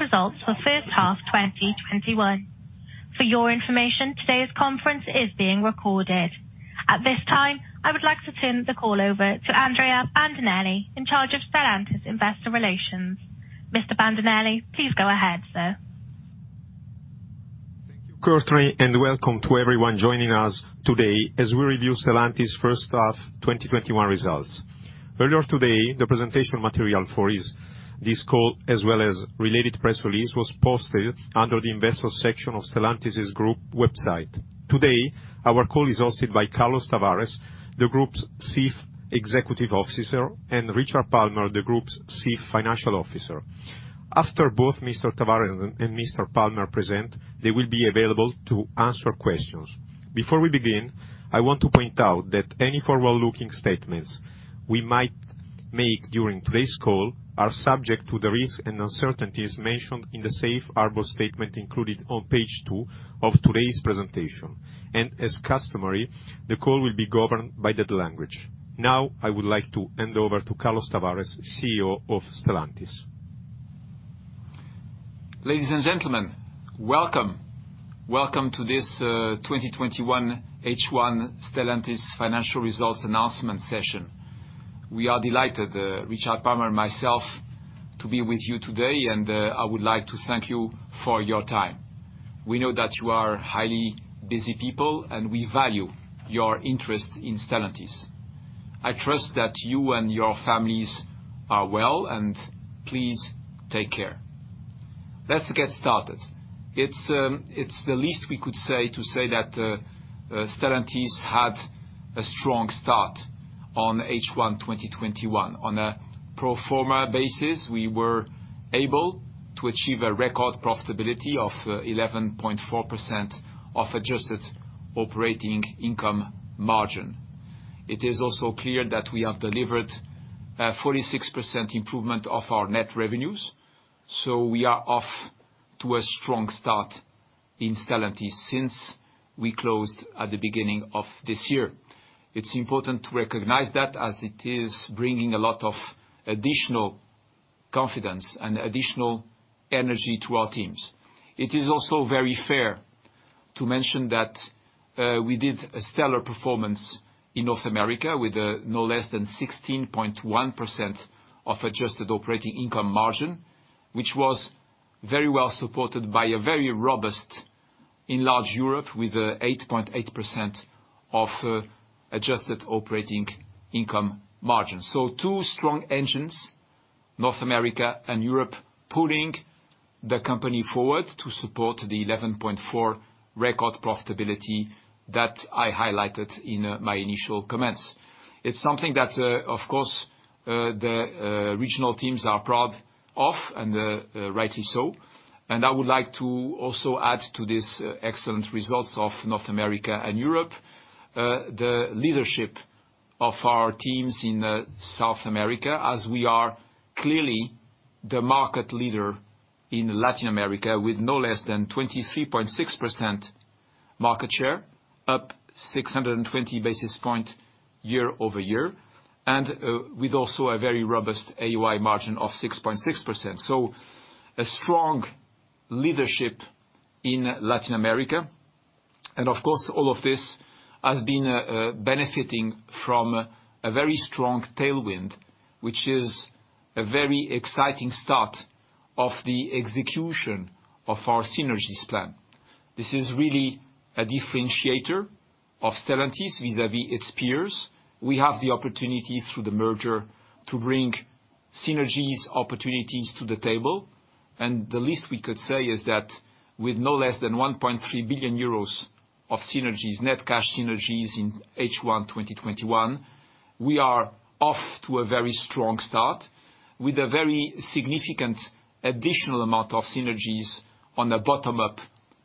Results for first half 2021. For your information, today's conference is being recorded. At this time, I would like to turn the call over to Andrea Bandinelli, in charge of Stellantis investor relations. Mr. Bandinelli, please go ahead, sir. Thank you, Courtney, welcome to everyone joining us today as we review Stellantis first half 2021 results. Earlier today, the presentation material for this call, as well as related press release, was posted under the investor section of Stellantis' Group website. Today, our call is hosted by Carlos Tavares, the Group's Chief Executive Officer, and Richard Palmer, the Group's Chief Financial Officer. After both Mr. Tavares and Mr. Palmer present, they will be available to answer questions. Before we begin, I want to point out that any forward-looking statements we might make during today's call are subject to the risks and uncertainties mentioned in the Safe Harbor statement included on page two of today's presentation. As customary, the call will be governed by that language. Now, I would like to hand over to Carlos Tavares, CEO of Stellantis. Ladies and gentlemen, welcome. Welcome to this 2021 H1 Stellantis Financial Results announcement session. We are delighted, Richard Palmer and myself, to be with you today. I would like to thank you for your time. We know that you are highly busy people. We value your interest in Stellantis. I trust that you and your families are well. Please take care. Let's get started. It's the least we could say to say that Stellantis had a strong start on H1 2021. On a pro forma basis, we were able to achieve a record profitability of 11.4% of adjusted operating income margin. It is also clear that we have delivered a 46% improvement of our net revenues. We are off to a strong start in Stellantis since we closed at the beginning of this year. It's important to recognize that as it is bringing a lot of additional confidence and additional energy to our teams. It is also very fair to mention that we did a stellar performance in North America with no less than 16.1% of adjusted operating income margin, which was very well supported by a very robust Enlarged Europe with 8.8% of adjusted operating income margin. Two strong engines, North America and Europe, pulling the company forward to support the 11.4% record profitability that I highlighted in my initial comments. It's something that, of course, the regional teams are proud of, and rightly so. I would like to also add to this excellent results of North America and Europe, the leadership of our teams in South America as we are clearly the market leader in Latin America with no less than 23.6% market share, up 620 basis points year-over-year, with also a very robust AOI margin of 6.6%. A strong leadership in Latin America. Of course, all of this has been benefiting from a very strong tailwind, which is a very exciting start of the execution of our synergies plan. This is really a differentiator of Stellantis vis-à-vis its peers. We have the opportunity through the merger to bring synergies opportunities to the table. The least we could say is that with no less than 1.3 billion euros of synergies, net cash synergies, in H1 2021, we are off to a very strong start with a very significant additional amount of synergies on a bottom-up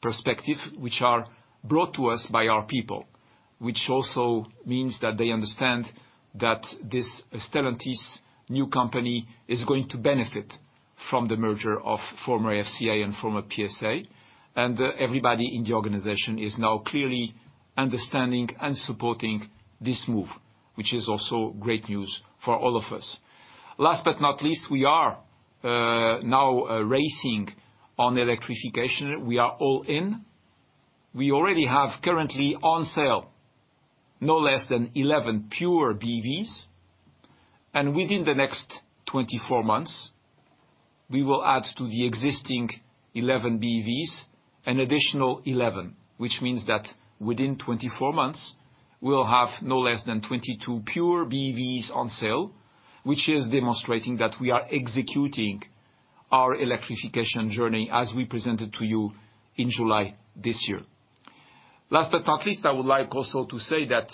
perspective, which are brought to us by our people. Also means that they understand that this Stellantis new company is going to benefit from the merger of former FCA and former PSA. Everybody in the organization is now clearly understanding and supporting this move, which is also great news for all of us. Last but not least, we are now racing on electrification. We are all in. We already have currently on sale no less than 11 pure BEVs, and within the next 24 months, we will add to the existing 11 BEVs an additional 11. Which means that within 24 months, we'll have no less than 22 pure BEVs on sale, which is demonstrating that we are executing our electrification journey as we presented to you in July this year. Last but not least, I would like also to say that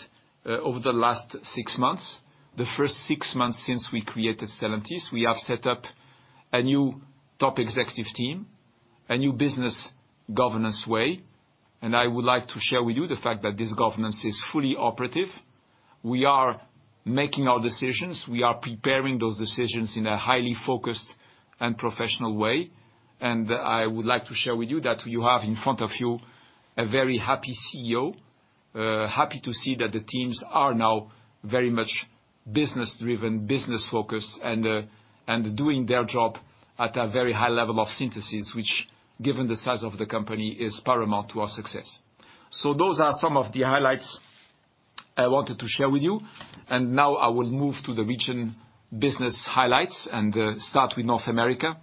over the last six months, the first six months since we created Stellantis, we have set up a new top executive team, a new business governance way. I would like to share with you the fact that this governance is fully operative. We are making our decisions. We are preparing those decisions in a highly focused and professional way. I would like to share with you that you have in front of you a very happy CEO, happy to see that the teams are now very much business-driven, business-focused, and doing their job at a very high level of synthesis, which, given the size of the company, is paramount to our success. Those are some of the highlights I wanted to share with you. Now I will move to the region business highlights and start with North America.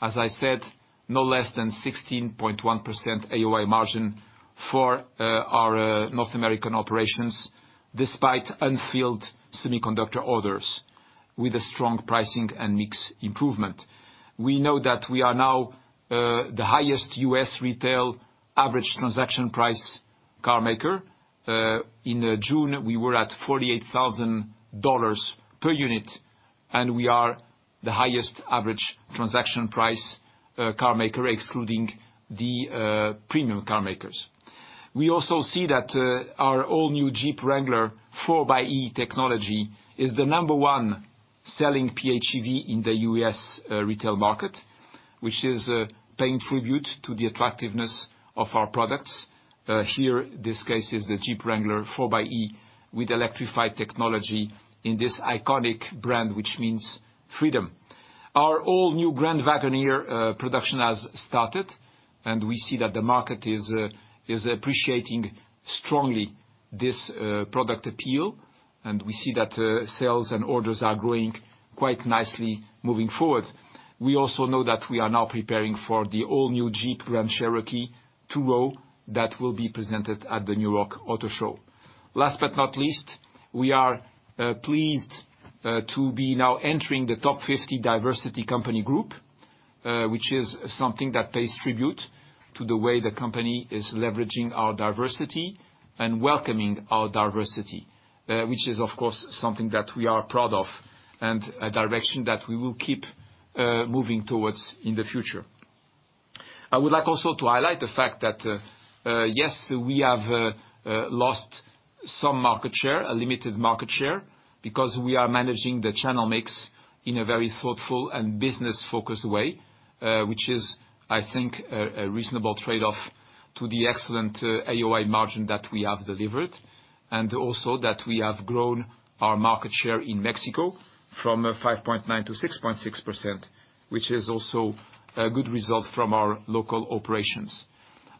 As I said, no less than 16.1% AOI margin for our North American operations, despite unfilled semiconductor orders, with a strong pricing and mix improvement. We know that we are now the highest U.S. retail average transaction price carmaker. In June, we were at $48,000 per unit, and we are the highest average transaction price carmaker, excluding the premium carmakers. We also see that our all-new Jeep Wrangler 4xe technology is the number one selling PHEV in the U.S. retail market, which is paying tribute to the attractiveness of our products. Here, this case is the Jeep Wrangler 4xe with electrified technology in this iconic brand, which means freedom. Our all-new Grand Wagoneer production has started, we see that the market is appreciating strongly this product appeal. We see that sales and orders are growing quite nicely moving forward. We also know that we are now preparing for the all-new Jeep Grand Cherokee 2-row that will be presented at the New York Auto Show. Last but not least, we are pleased to be now entering the Top 50 Diversity Company Group, which is something that pays tribute to the way the company is leveraging our diversity and welcoming our diversity, which is, of course, something that we are proud of and a direction that we will keep moving towards in the future. I would like also to highlight the fact that, yes, we have lost some market share, a limited market share, because we are managing the channel mix in a very thoughtful and business-focused way, which is, I think, a reasonable trade-off to the excellent AOI margin that we have delivered. Also that we have grown our market share in Mexico from 5.9% to 6.6%, which is also a good result from our local operations.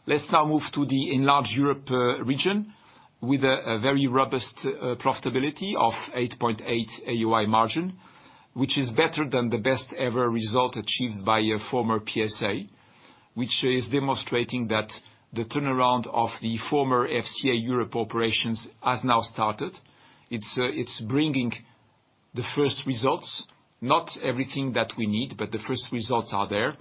Let's now move to the Enlarged Europe region with a very robust profitability of 8.8% AOI margin, which is better than the best ever result achieved by a former PSA, which is demonstrating that the turnaround of the former FCA Europe operations has now started. It's bringing the first results, not everything that we need, but the first results are there.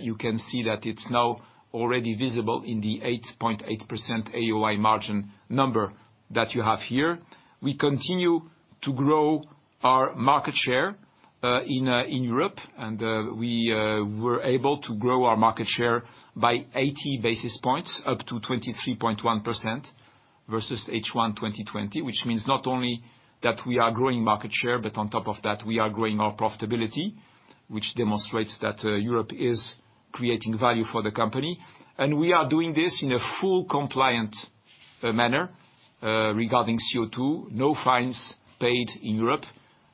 You can see that it's now already visible in the 8.8% AOI margin number that you have here. We continue to grow our market share in Europe, and we were able to grow our market share by 80 basis points up to 23.1% versus H1 2020. It means not only that we are growing market share, but on top of that, we are growing our profitability, which demonstrates that Europe is creating value for the company. We are doing this in a full compliant manner regarding CO2. No fines paid in Europe.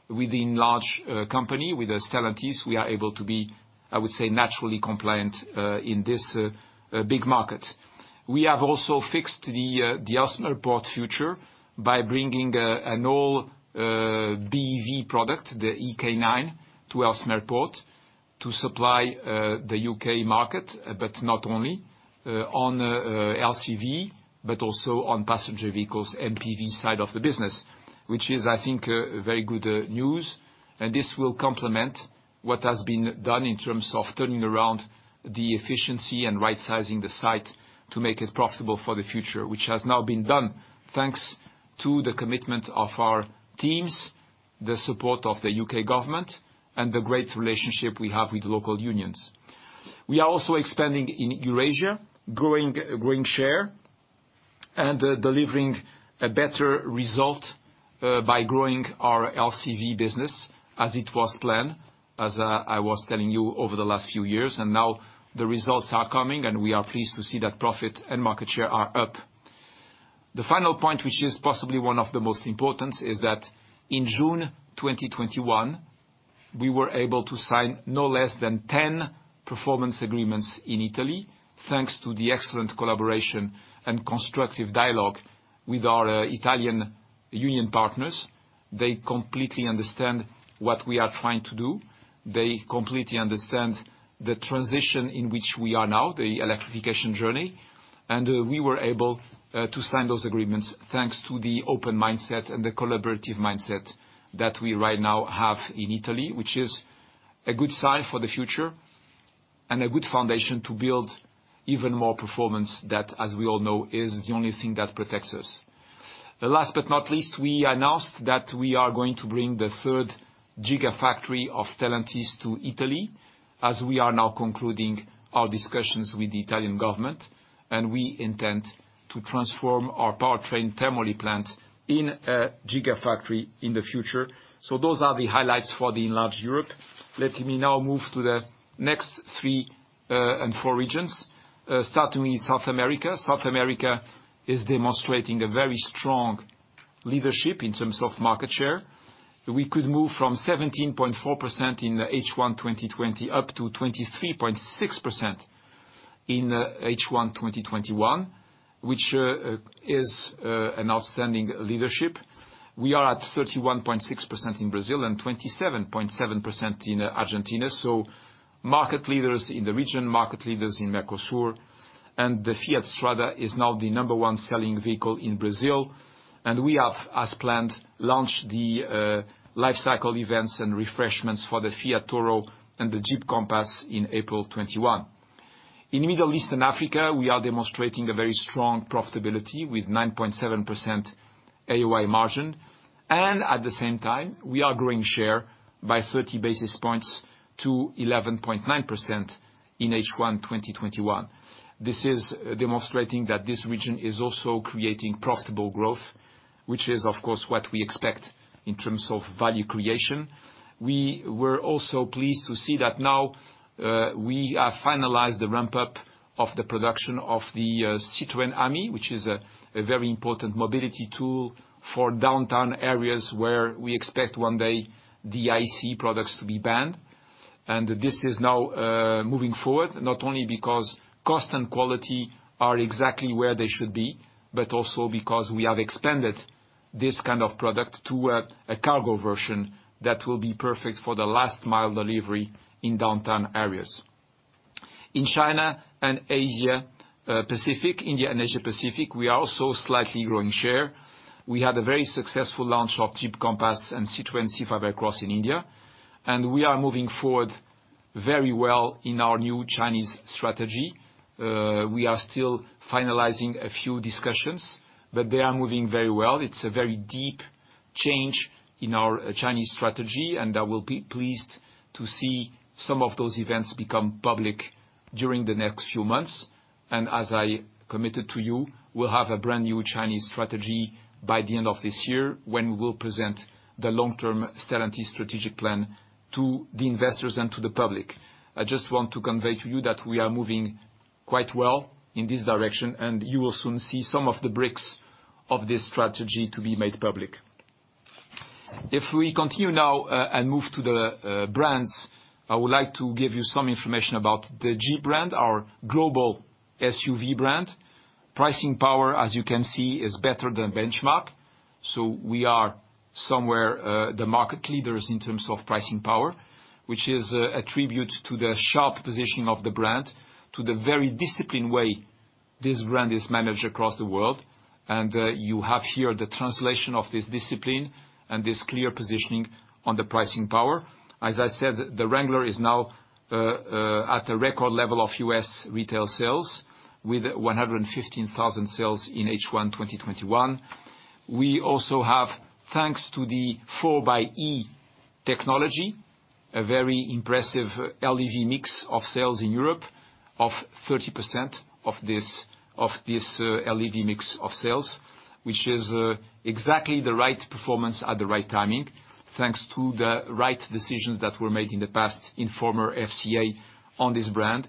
With enlarged company, with Stellantis, we are able to be, I would say, naturally compliant in this big market. We have also fixed the Ellesmere Port future by bringing an all BEV product, the EK9, to Ellesmere Port to supply the U.K. market, but not only on LCV, but also on passenger vehicles, MPV side of the business, which is, I think, a very good news. This will complement what has been done in terms of turning around the efficiency and rightsizing the site to make it profitable for the future, which has now been done, thanks to the commitment of our teams, the support of the UK government, and the great relationship we have with local unions. We are also expanding in Eurasia, growing share, and delivering a better result by growing our LCV business as it was planned, as I was telling you over the last few years. Now the results are coming, and we are pleased to see that profit and market share are up. The final point, which is possibly one of the most important, is that in June 2021, we were able to sign no less than 10 performance agreements in Italy, thanks to the excellent collaboration and constructive dialogue with our Italian union partners. They completely understand what we are trying to do. They completely understand the transition in which we are now, the electrification journey. We were able to sign those agreements thanks to the open mindset and the collaborative mindset that we right now have in Italy, which is a good sign for the future. A good foundation to build even more performance that, as we all know, is the only thing that protects us. Last but not least, we announced that we are going to bring the third gigafactory of Stellantis to Italy, as we are now concluding our discussions with the Italian government, and we intend to transform our powertrain Termoli plant in a gigafactory in the future. Those are the highlights for the Enlarged Europe. Let me now move to the next three and four regions, starting in South America. South America is demonstrating a very strong leadership in terms of market share. We could move from 17.4% in H1 2020 up to 23.6% in H1 2021, which is an outstanding leadership. We are at 31.6% in Brazil and 27.7% in Argentina. Market leaders in the region, market leaders in Mercosur, and the Fiat Strada is now the number one selling vehicle in Brazil. We have, as planned, launched the life cycle events and refreshments for the Fiat Toro and the Jeep Compass in April 2021. In Middle East and Africa, we are demonstrating a very strong profitability with 9.7% AOI margin. At the same time, we are growing share by 30 basis points to 11.9% in H1 2021. This is demonstrating that this region is also creating profitable growth, which is, of course, what we expect in terms of value creation. We were also pleased to see that now we have finalized the ramp-up of the production of the Citroën Ami, which is a very important mobility tool for downtown areas where we expect one day the IC products to be banned. This is now moving forward, not only because cost and quality are exactly where they should be, but also because we have expanded this kind of product to a cargo version that will be perfect for the last mile delivery in downtown areas. In China and Asia Pacific, India and Asia Pacific, we are also slightly growing share. We had a very successful launch of Jeep Compass and Citroën C5 Aircross in India, and we are moving forward very well in our new Chinese strategy. We are still finalizing a few discussions, but they are moving very well. It's a very deep change in our Chinese strategy, and I will be pleased to see some of those events become public during the next few months. As I committed to you, we'll have a brand new Chinese strategy by the end of this year when we will present the long-term Stellantis strategic plan to the investors and to the public. I just want to convey to you that we are moving quite well in this direction, and you will soon see some of the bricks of this strategy to be made public. If we continue now, and move to the brands, I would like to give you some information about the Jeep brand, our global SUV brand. Pricing power, as you can see, is better than benchmark. We are somewhere the market leaders in terms of pricing power, which is a tribute to the sharp positioning of the brand, to the very disciplined way this brand is managed across the world. You have here the translation of this discipline and this clear positioning on the pricing power. As I said, the Wrangler is now at a record level of U.S. retail sales with 115,000 sales in H1 2021. We also have, thanks to the 4xe technology, a very impressive LEV mix of sales in Europe of 30% of this LEV mix of sales, which is exactly the right performance at the right timing, thanks to the right decisions that were made in the past in former FCA on this brand.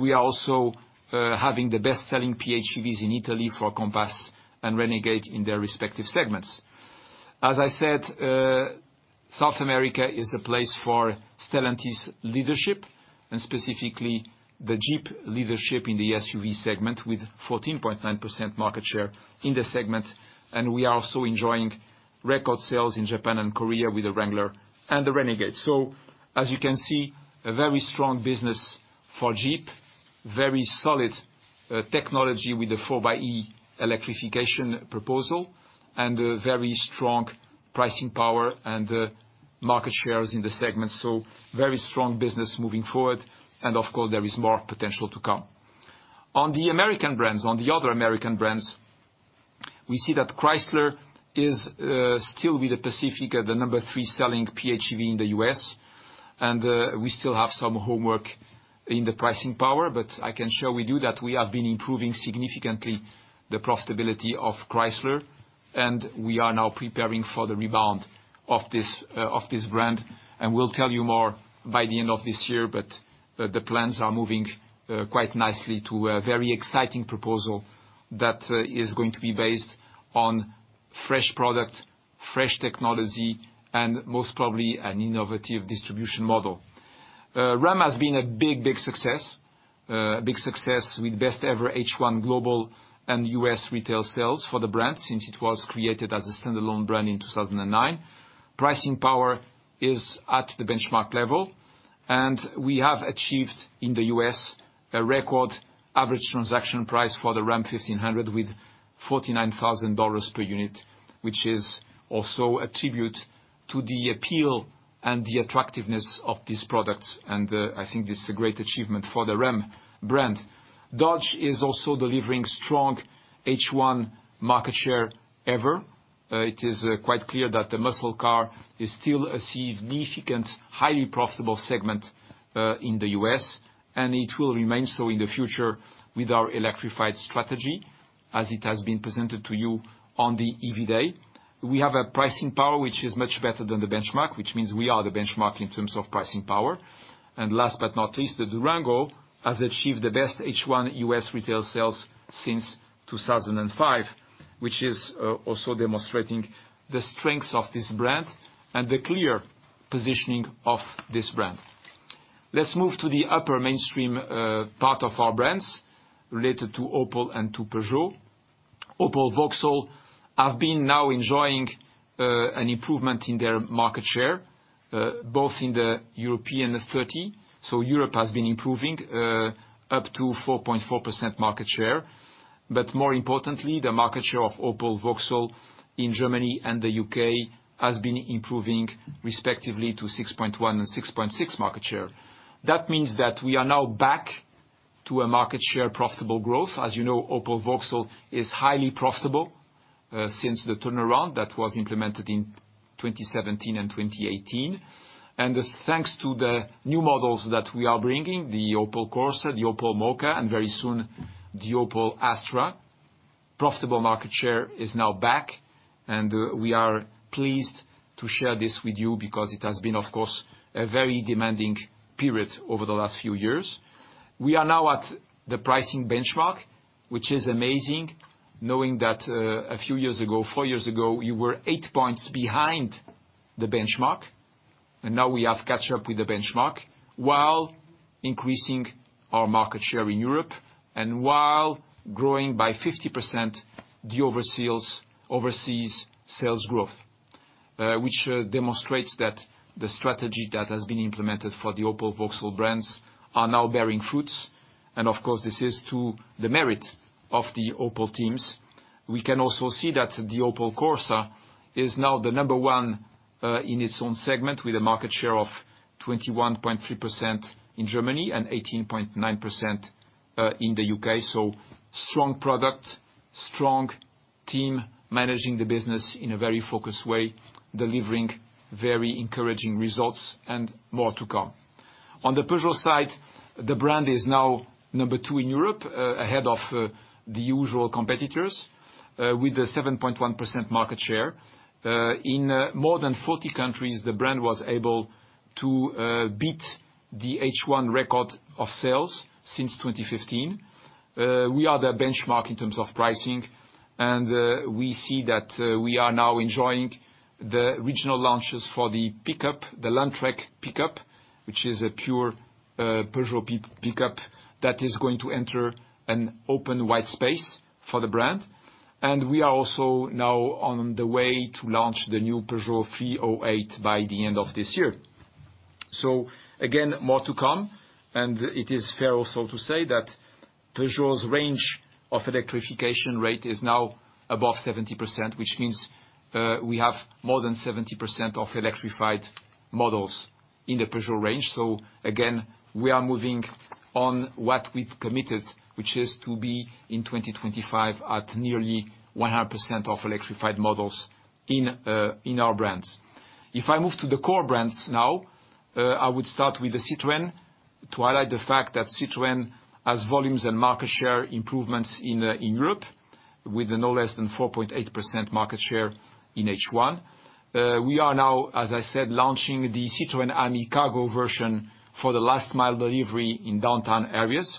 We are also having the best-selling PHEVs in Italy for Compass and Renegade in their respective segments. As I said, South America is a place for Stellantis leadership and specifically the Jeep leadership in the SUV segment, with 14.9% market share in the segment. We are also enjoying record sales in Japan and Korea with the Wrangler and the Renegade. As you can see, a very strong business for Jeep, very solid technology with the 4xe electrification proposal, and a very strong pricing power and market shares in the segment. Very strong business moving forward. Of course, there is more potential to come. On the American brands, on the other American brands, we see that Chrysler is still with the Pacifica, the number three selling PHEV in the U.S. We still have some homework in the pricing power, but I can assure with you that we have been improving significantly the profitability of Chrysler, and we are now preparing for the rebound of this brand. We'll tell you more by the end of this year, but the plans are moving quite nicely to a very exciting proposal that is going to be based on fresh product, fresh technology, and most probably an innovative distribution model. Ram has been a big success with best ever H1 global and U.S. retail sales for the brand since it was created as a standalone brand in 2009. Pricing power is at the benchmark level, and we have achieved in the U.S. a record average transaction price for the Ram 1500 with $49,000 per unit, which is also a tribute to the appeal and the attractiveness of these products. I think this is a great achievement for the Ram brand. Dodge is also delivering strong H1 market share ever. It is quite clear that the muscle car is still a significant, highly profitable segment in the U.S., and it will remain so in the future with our electrified strategy, as it has been presented to you on the EV Day. We have a pricing power, which is much better than the benchmark, which means we are the benchmark in terms of pricing power. Last but not least, the Durango has achieved the best H1 U.S. retail sales since 2005, which is also demonstrating the strengths of this brand and the clear positioning of this brand. Let's move to the upper mainstream part of our brands related to Opel and to Peugeot. Opel Vauxhall have been now enjoying an improvement in their market share, both in the European 30. Europe has been improving, up to 4.4% market share. More importantly, the market share of Opel Vauxhall in Germany and the U.K. has been improving respectively to 6.1% and 6.6% market share. That means that we are now back to a market share profitable growth. As you know, Opel Vauxhall is highly profitable, since the turnaround that was implemented in 2017 and 2018. Thanks to the new models that we are bringing, the Opel Corsa, the Opel Mokka, and very soon the Opel Astra, profitable market share is now back. We are pleased to share this with you because it has been, of course, a very demanding period over the last few years. We are now at the pricing benchmark, which is amazing knowing that a few years ago, four years ago, you were eight points behind the benchmark, and now we have caught up with the benchmark while increasing our market share in Europe and while growing by 50% the overseas sales growth. Which demonstrates that the strategy that has been implemented for the Opel Vauxhall brands are now bearing fruits. Of course, this is to the merit of the Opel teams. We can also see that the Opel Corsa is now the number one, in its own segment with a market share of 21.3% in Germany and 18.9% in the U.K. Strong product, strong team, managing the business in a very focused way, delivering very encouraging results and more to come. On the Peugeot side, the brand is now number two in Europe, ahead of the usual competitors, with a 7.1% market share. In more than 40 countries, the brand was able to beat the H1 record of sales since 2015. We are the benchmark in terms of pricing. We see that we are now enjoying the regional launches for the pickup, the Landtrek Pickup, which is a pure Peugeot pickup that is going to enter an open wide space for the brand. We are also now on the way to launch the new Peugeot 308 by the end of this year. Again, more to come, and it is fair also to say that Peugeot's range of electrification rate is now above 70%, which means, we have more than 70% of electrified models in the Peugeot range. Again, we are moving on what we've committed, which is to be in 2025 at nearly 100% of electrified models in our brands. If I move to the core brands now, I would start with the Citroën to highlight the fact that Citroën has volumes and market share improvements in Europe with no less than 4.8% market share in H1. We are now, as I said, launching the Citroën Ami Cargo version for the last mile delivery in downtown areas.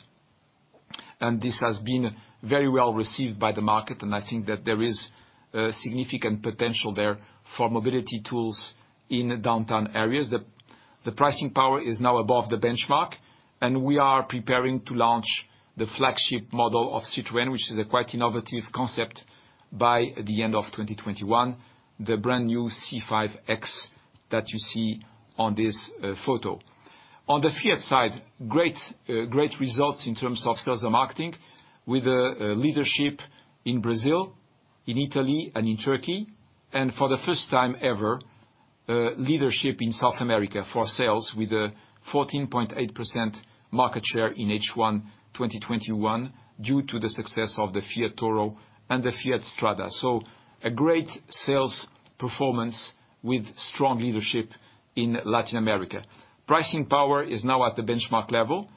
This has been very well received by the market. I think that there is significant potential there for mobility tools in downtown areas. The pricing power is now above the benchmark. We are preparing to launch the flagship model of Citroën, which is a quite innovative concept by the end of 2021, the brand new C5 X that you see on this photo. On the Fiat side, great results in terms of sales and marketing with leadership in Brazil, in Italy, and in Turkey. For the first time ever, leadership in South America for sales with a 14.8% market share in H1 2021 due to the success of the Fiat Toro and the Fiat Strada. A great sales performance with strong leadership in Latin America. Pricing power is now at the benchmark level.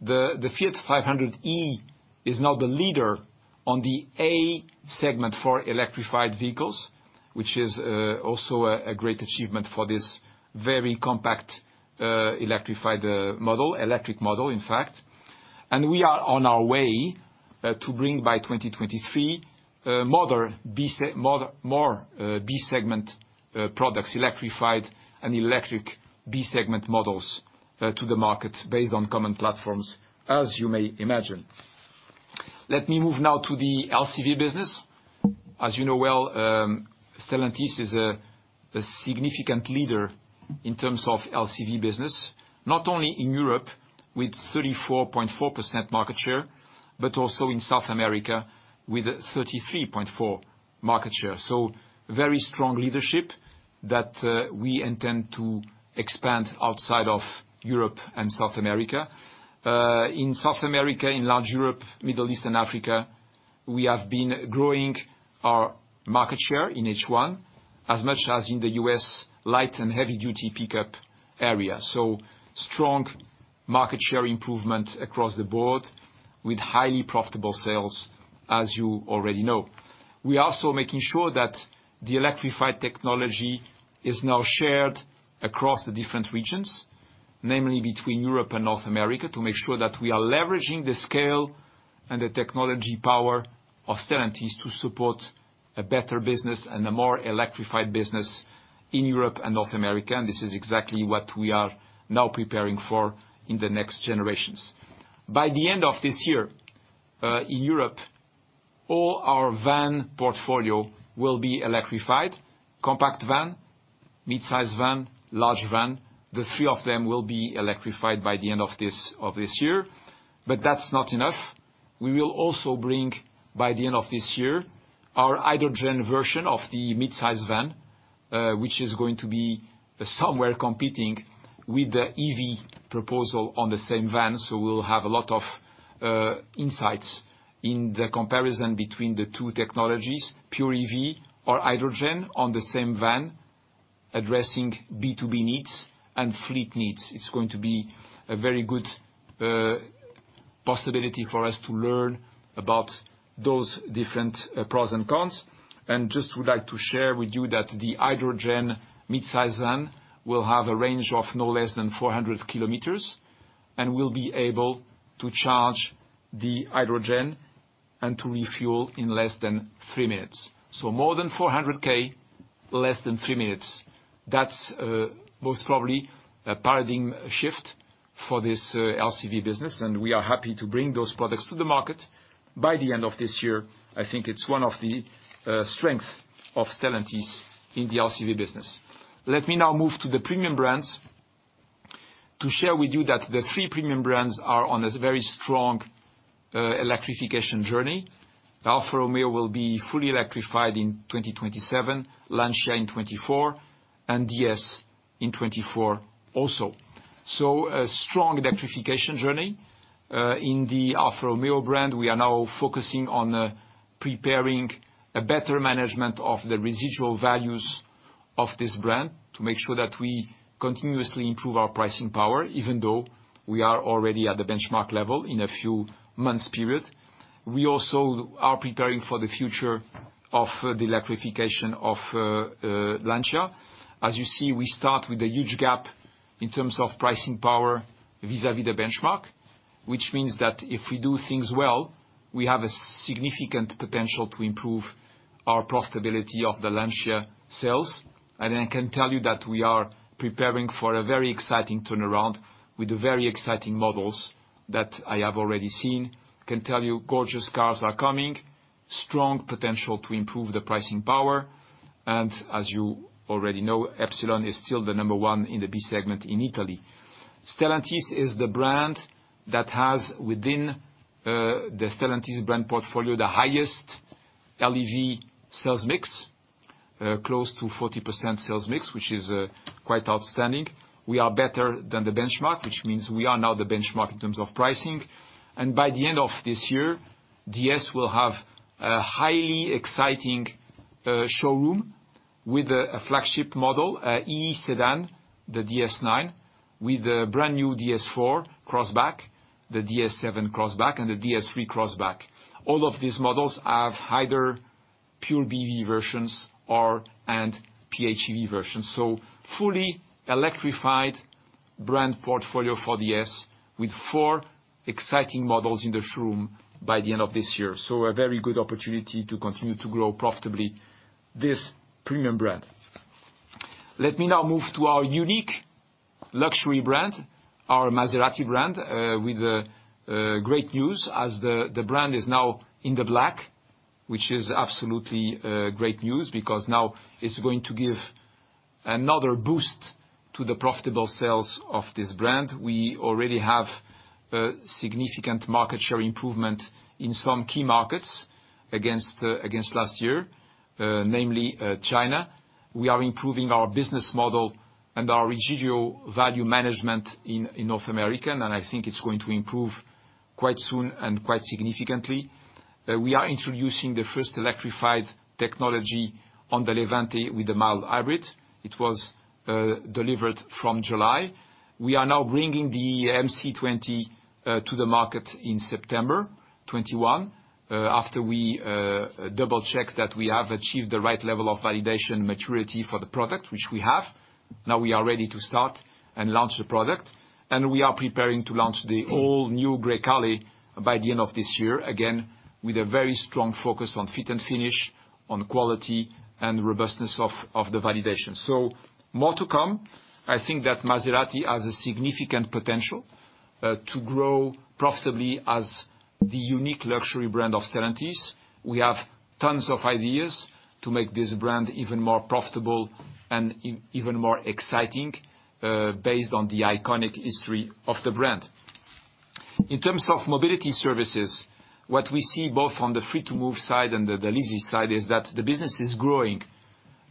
The Fiat 500e is now the leader on the A-segment for electrified vehicles, which is also a great achievement for this very compact electrified model, electric model in fact. We are on our way to bring by 2023, more B-segment products, electrified and electric B-segment models to the market based on common platforms, as you may imagine. Let me move now to the LCV business. As you know well, Stellantis is a significant leader in terms of LCV business, not only in Europe, with 34.4% market share, but also in South America with a 33.4% market share. Very strong leadership that we intend to expand outside of Europe and South America. In South America, in large Europe, Middle East, and Africa, we have been growing our market share in H1 as much as in the U.S. light and heavy-duty pickup area. Strong market share improvement across the board with highly profitable sales as you already know. We are also making sure that the electrified technology is now shared across the different regions, namely between Europe and North America, to make sure that we are leveraging the scale and the technology power of Stellantis to support a better business and a more electrified business in Europe and North America. This is exactly what we are now preparing for in the next generations. By the end of this year, in Europe, all our Van portfolio will be electrified. Compact van, midsize van, large van, the three of them will be electrified by the end of this year. That's not enough. We will also bring, by the end of this year, our hydrogen version of the midsize van, which is going to be somewhere competing with the EV proposal on the same van. We'll have a lot of insights in the comparison between the two technologies, pure EV or hydrogen, on the same van addressing B2B needs and fleet needs. It's going to be a very good possibility for us to learn about those different pros and cons. Just would like to share with you that the hydrogen midsize van will have a range of no less than 400 km and will be able to charge the hydrogen and to refuel in less than three minutes. More than 400 km, less than three minutes. That's most probably a paradigm shift for this LCV business, and we are happy to bring those products to the market by the end of this year. I think it's one of the strengths of Stellantis in the LCV business. Let me now move to the premium brands to share with you that the three premium brands are on a very strong electrification journey. Alfa Romeo will be fully electrified in 2027, Lancia in 2024, and DS in 2024 also. A strong electrification journey. In the Alfa Romeo brand, we are now focusing on preparing a better management of the residual values of this brand to make sure that we continuously improve our pricing power, even though we are already at the benchmark level in a few months period. We also are preparing for the future of the electrification of Lancia. As you see, we start with a huge gap in terms of pricing power vis-à-vis the benchmark. Which means that if we do things well, we have a significant potential to improve our profitability of the Lancia sales. I can tell you that we are preparing for a very exciting turnaround with the very exciting models that I have already seen. Can tell you, gorgeous cars are coming. Strong potential to improve the pricing power. As you already know, Ypsilon is still the number 1 in the B segment in Italy. Stellantis is the brand that has within the Stellantis brand portfolio, the highest LEV sales mix, close to 40% sales mix, which is quite outstanding. We are better than the benchmark, which means we are now the benchmark in terms of pricing. By the end of this year, DS will have a highly exciting showroom with a flagship model, a E sedan, the DS 9, with a brand-new DS 4 Crossback, the DS 7 Crossback, and the DS 3 Crossback. All of these models have either pure BEV versions or/and PHEV versions. Fully electrified brand portfolio for DS with four exciting models in the showroom by the end of this year. A very good opportunity to continue to grow profitably this premium brand. Let me now move to our unique luxury brand, our Maserati brand, with great news as the brand is now in the black, which is absolutely great news, because now it's going to give another boost to the profitable sales of this brand. We already have a significant market share improvement in some key markets against last year, namely China. We are improving our business model and our residual value management in North America, and I think it's going to improve quite soon and quite significantly. We are introducing the first electrified technology on the Levante with the mild hybrid. It was delivered from July. We are now bringing the MC20 to the market in September 2021, after we double-check that we have achieved the right level of validation maturity for the product, which we have. Now, we are ready to start and launch the product, and we are preparing to launch the all-new Grecale by the end of this year, again, with a very strong focus on fit and finish, on quality, and robustness of the validation. More to come. I think that Maserati has a significant potential to grow profitably as the unique luxury brand of Stellantis. We have tons of ideas to make this brand even more profitable and even more exciting, based on the iconic history of the brand. In terms of mobility services, what we see both on the Free2move side and the Leasys side is that the business is growing,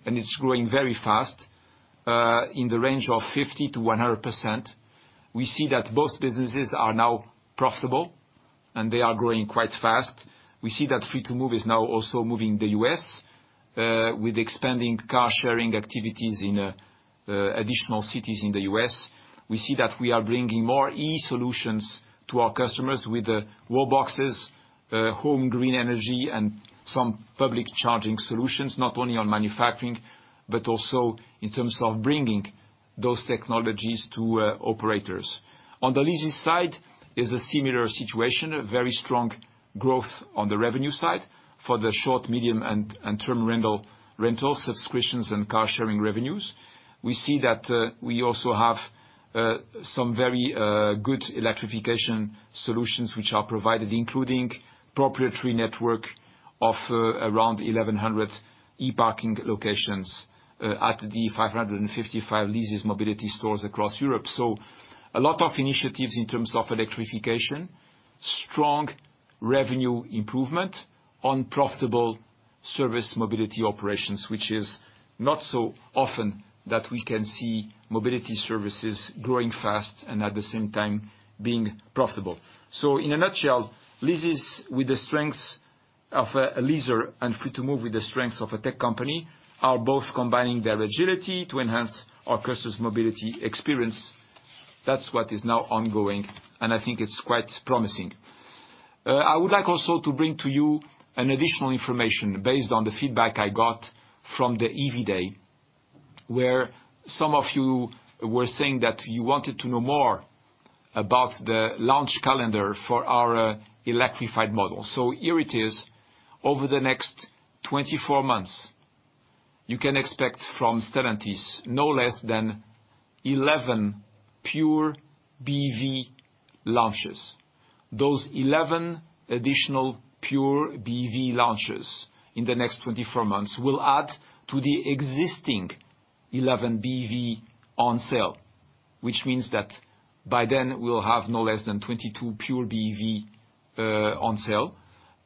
and it's growing very fast, in the range of 50%-100%. We see that both businesses are now profitable, and they are growing quite fast. We see that Free2move is now also moving the U.S., with expanding car sharing activities in additional cities in the U.S. We see that we are bringing more e-solutions to our customers with the wall boxes, home green energy, and some public charging solutions, not only on manufacturing, but also in terms of bringing those technologies to operators. On the Leasys side is a similar situation, a very strong growth on the revenue side for the short, medium, and long-term rental subscriptions and car sharing revenues. We see that we also have some very good electrification solutions which are provided, including proprietary network of around 1,100 e-parking locations at the 555 Leasys mobility stores across Europe. A lot of initiatives in terms of electrification. Strong revenue improvement on profitable service mobility operations, which is not so often that we can see mobility services growing fast and at the same time being profitable. In a nutshell, Leasys, with the strength of a leaser, and Free2move with the strength of a tech company, are both combining their agility to enhance our customers' mobility experience. That's what is now ongoing, and I think it's quite promising. I would like also to bring to you an additional information, based on the feedback I got from the EV Day, where some of you were saying that you wanted to know more about the launch calendar for our electrified models. Here it is. Over the next 24 months, you can expect from Stellantis no less than 11 pure BEV launches. Those 11 additional pure BEV launches in the next 24 months will add to the existing 11 BEV on sale, which means that by then we will have no less than 22 pure BEV on sale.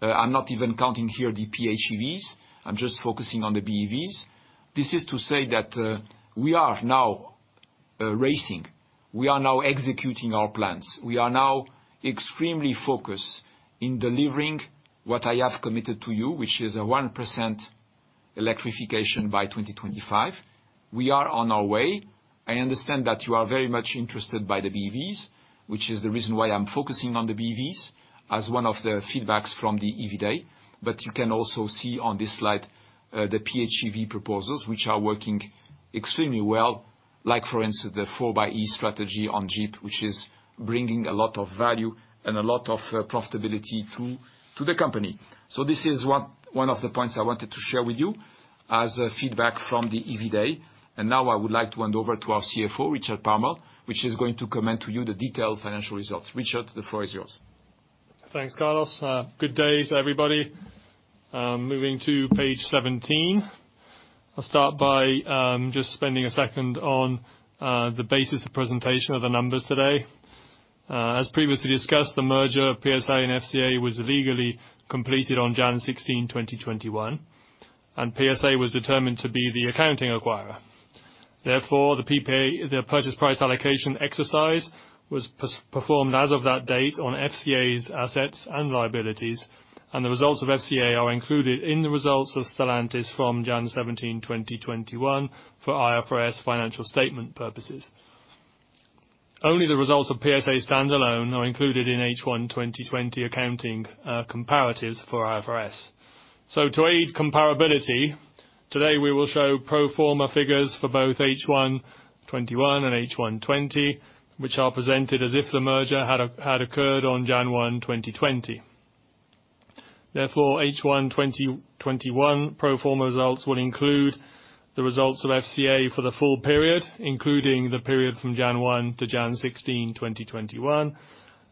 I am not even counting here the PHEVs. I am just focusing on the BEVs. This is to say that we are now racing, we are now executing our plans. We are now extremely focused in delivering what I have committed to you, which is a 1% electrification by 2025. We are on our way. I understand that you are very much interested by the BEVs, which is the reason why I am focusing on the BEVs as one of the feedbacks from the EV Day. You can also see on this slide the PHEV proposals, which are working extremely well. Like, for instance, the 4xe strategy on Jeep, which is bringing a lot of value and a lot of profitability to the company. This is one of the points I wanted to share with you as a feedback from the EV Day. Now I would like to hand over to our CFO Richard Palmer, which is going to comment to you the detailed financial results. Richard, the floor is yours. Thanks, Carlos. Good day to everybody. Moving to page 17. I will start by just spending a second on the basis of presentation of the numbers today. As previously discussed, the merger of PSA and FCA was legally completed on Jan 16, 2021, and PSA was determined to be the accounting acquirer. Therefore, the purchase price allocation exercise was performed as of that date on FCA's assets and liabilities, and the results of FCA are included in the results of Stellantis from Jan 17, 2021, for IFRS financial statement purposes. Only the results of PSA standalone are included in H1 2020 accounting comparatives for IFRS. To aid comparability, today we will show pro forma figures for both H1 2021 and H1 2020, which are presented as if the merger had occurred on Jan 1, 2020. H1 2021 pro forma results will include the results of FCA for the full period, including the period from January 1 to January 16, 2021,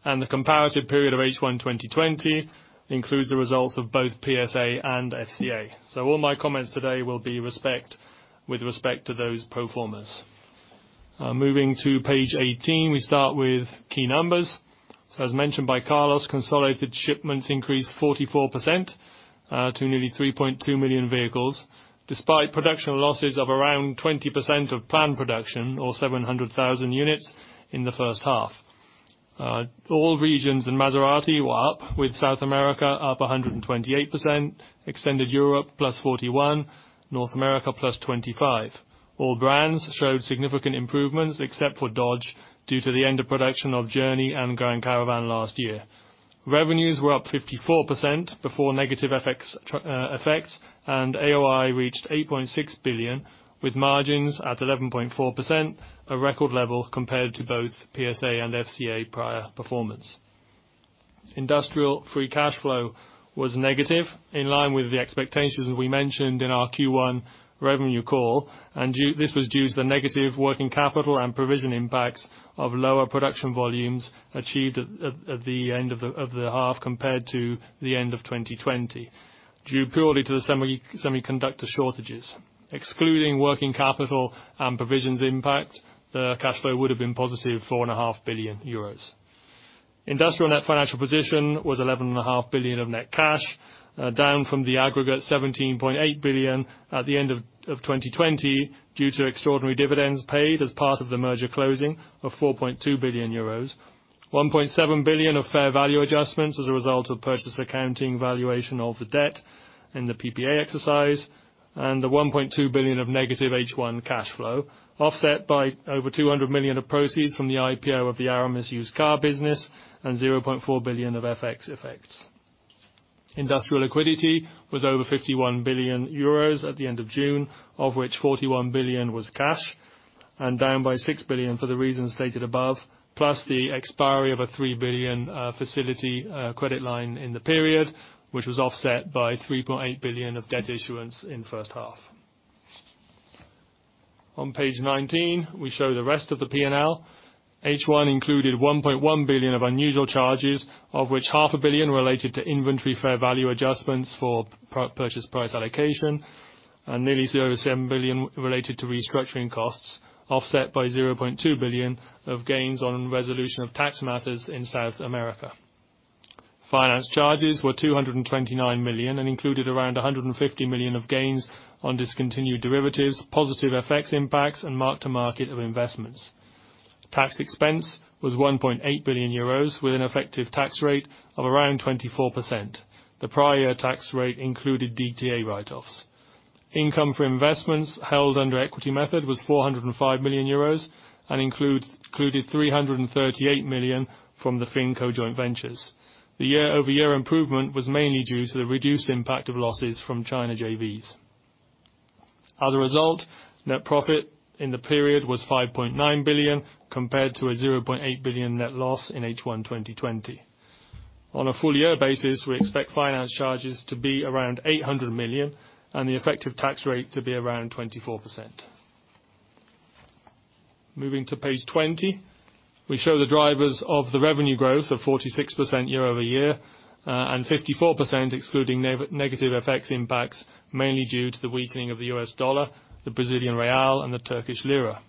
and the comparative period of Q1 2020 includes the results of both PSA and FCA. All my comments today will be with respect to those pro formas. Moving to page 18, we start with key numbers. As mentioned by Carlos, consolidated shipments increased 44% to nearly 3.2 million vehicles, despite production losses of around 20% of planned production or 700,000 units in the first half. All regions and Maserati were up, with South America up 128%, Extended Europe plus 41%, North America plus 25%. All brands showed significant improvements except for Dodge, due to the end of production of Journey and Grand Caravan last year. Revenues were up 54% before negative effects, and AOI reached 8.6 billion, with margins at 11.4%, a record level compared to both PSA and FCA prior performance. Industrial free cash flow was negative, in line with the expectations as we mentioned in our Q1 revenue call, and this was due to the negative working capital and provision impacts of lower production volumes achieved at the end of the half compared to the end of 2020, due purely to the semiconductor shortages. Excluding working capital and provisions impact, the cash flow would've been positive 4.5 billion euros. Industrial net financial position was 11.5 billion of net cash, down from the aggregate 17.8 billion at the end of 2020, due to extraordinary dividends paid as part of the merger closing of 4.2 billion euros. 1.7 billion of fair value adjustments as a result of purchase accounting valuation of the debt in the PPA exercise, and the 1.2 billion of negative H1 cash flow, offset by over 200 million of proceeds from the IPO of the Aramis used car business, and 0.4 billion of FX effects. Industrial liquidity was over 51 billion euros at the end of June, of which 41 billion was cash, and down by 6 billion for the reasons stated above, plus the expiry of a 3 billion facility credit line in the period, which was offset by 3.8 billion of debt issuance in first half. On page 19, we show the rest of the P&L. H1 included 1.1 billion of unusual charges, of which EUR half a billion related to inventory fair value adjustments for purchase price allocation, and nearly 0.7 billion related to restructuring costs, offset by 0.2 billion of gains on resolution of tax matters in South America. Finance charges were 229 million, and included around 150 million of gains on discontinued derivatives, positive effects impacts, and mark-to-market of investments. Tax expense was €1.8 billion, with an effective tax rate of around 24%. The prior tax rate included DTA write-offs. Income for investments held under equity method was €405 million, and included 338 million from the FinCo joint ventures. The year-over-year improvement was mainly due to the reduced impact of losses from China JVs. As a result, net profit in the period was 5.9 billion, compared to a 0.8 billion net loss in H1 2020. On a full year basis, we expect finance charges to be around 800 million, and the effective tax rate to be around 24%. Moving to page 20. We show the drivers of the revenue growth of 46% year-over-year, and 54% excluding negative FX impacts, mainly due to the weakening of the US dollar, the Brazilian real, and the Turkish lira.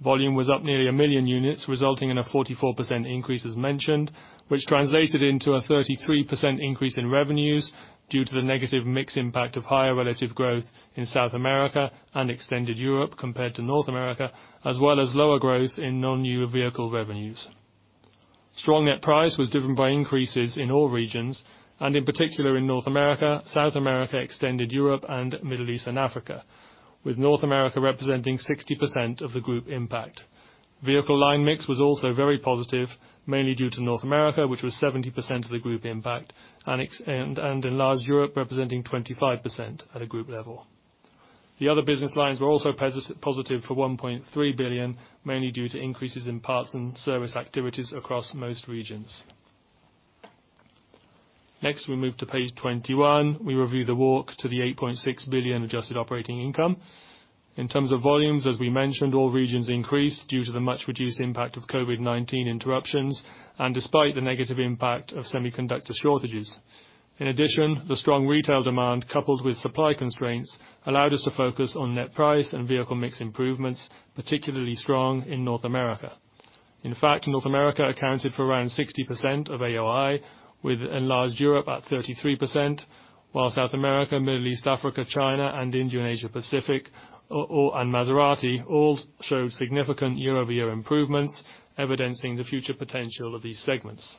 Volume was up nearly 1 million units, resulting in a 44% increase as mentioned, which translated into a 33% increase in revenues, due to the negative mix impact of higher relative growth in South America and extended Europe compared to North America, as well as lower growth in non-new vehicle revenues. Strong net price was driven by increases in all regions, and in particular in North America, South America, extended Europe and Middle East and Africa, with North America representing 60% of the group impact. Vehicle line mix was also very positive, mainly due to North America, which was 70% of the group impact, and Enlarged Europe representing 25% at a group level. The other business lines were also positive for 1.3 billion, mainly due to increases in parts and service activities across most regions. We move to page 21. We review the walk to the 8.6 billion Adjusted Operating Income. In terms of volumes, as we mentioned, all regions increased due to the much reduced impact of COVID-19 interruptions, and despite the negative impact of semiconductor shortages. In addition, the strong retail demand, coupled with supply constraints, allowed us to focus on net price and vehicle mix improvements, particularly strong in North America. In fact, North America accounted for around 60% of AOI, with Enlarged Europe at 33%, while South America, Middle East, Africa, China, and India, and Asia Pacific, and Maserati all showed significant year-over-year improvements, evidencing the future potential of these segments.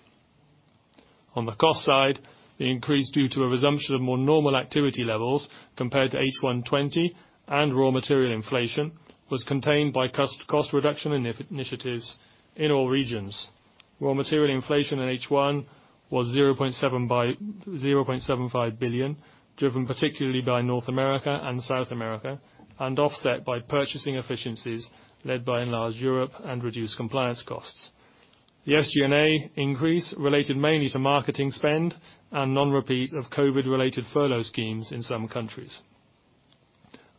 On the cost side, the increase due to a resumption of more normal activity levels, compared to H1 2020, and raw material inflation was contained by cost reduction initiatives in all regions. Raw material inflation in H1 was 0.75 billion, driven particularly by North America and South America, and offset by purchasing efficiencies led by Enlarged Europe and reduced compliance costs. The SG&A increase related mainly to marketing spend and non-repeat of COVID-related furlough schemes in some countries.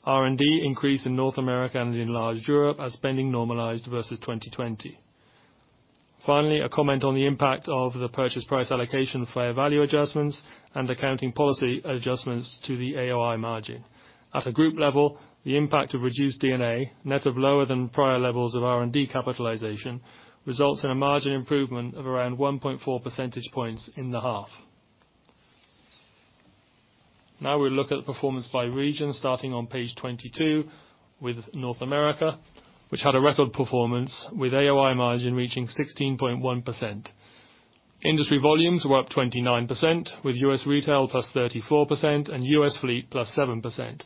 R&D increased in North America and in Enlarged Europe as spending normalized versus 2020. A comment on the impact of the purchase price allocation fair value adjustments and accounting policy adjustments to the AOI margin. At a group level, the impact of reduced D&A, net of lower than prior levels of R&D capitalization, results in a margin improvement of around 1.4 percentage points in the half. We look at the performance by region, starting on page 22 with North America, which had a record performance with AOI margin reaching 16.1%. Industry volumes were up 29%, with US retail plus 34%, and US fleet plus 7%.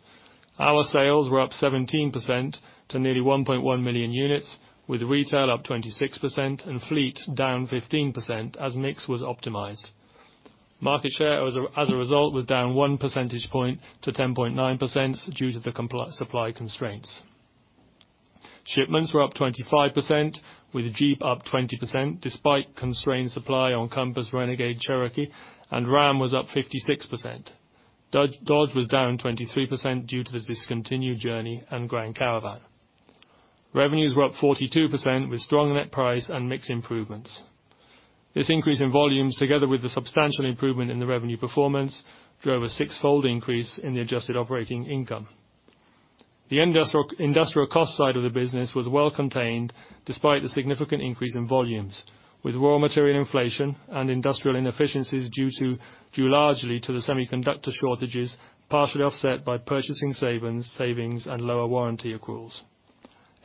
Our sales were up 17% to nearly 1.1 million units, with retail up 26% and fleet down 15%, as mix was optimized. Market share as a result was down 1 percentage point to 10.9% due to the supply constraints. Shipments were up 25%, with Jeep up 20%, despite constrained supply on Compass, Renegade, Cherokee, and Ram was up 56%. Dodge was down 23% due to the discontinued Journey and Grand Caravan. Revenues were up 42% with strong net price and mix improvements. This increase in volumes, together with the substantial improvement in the revenue performance, drove a six-fold increase in the adjusted operating income. The industrial cost side of the business was well contained despite the significant increase in volumes, with raw material inflation and industrial inefficiencies due largely to the semiconductor shortages, partially offset by purchasing savings and lower warranty accruals.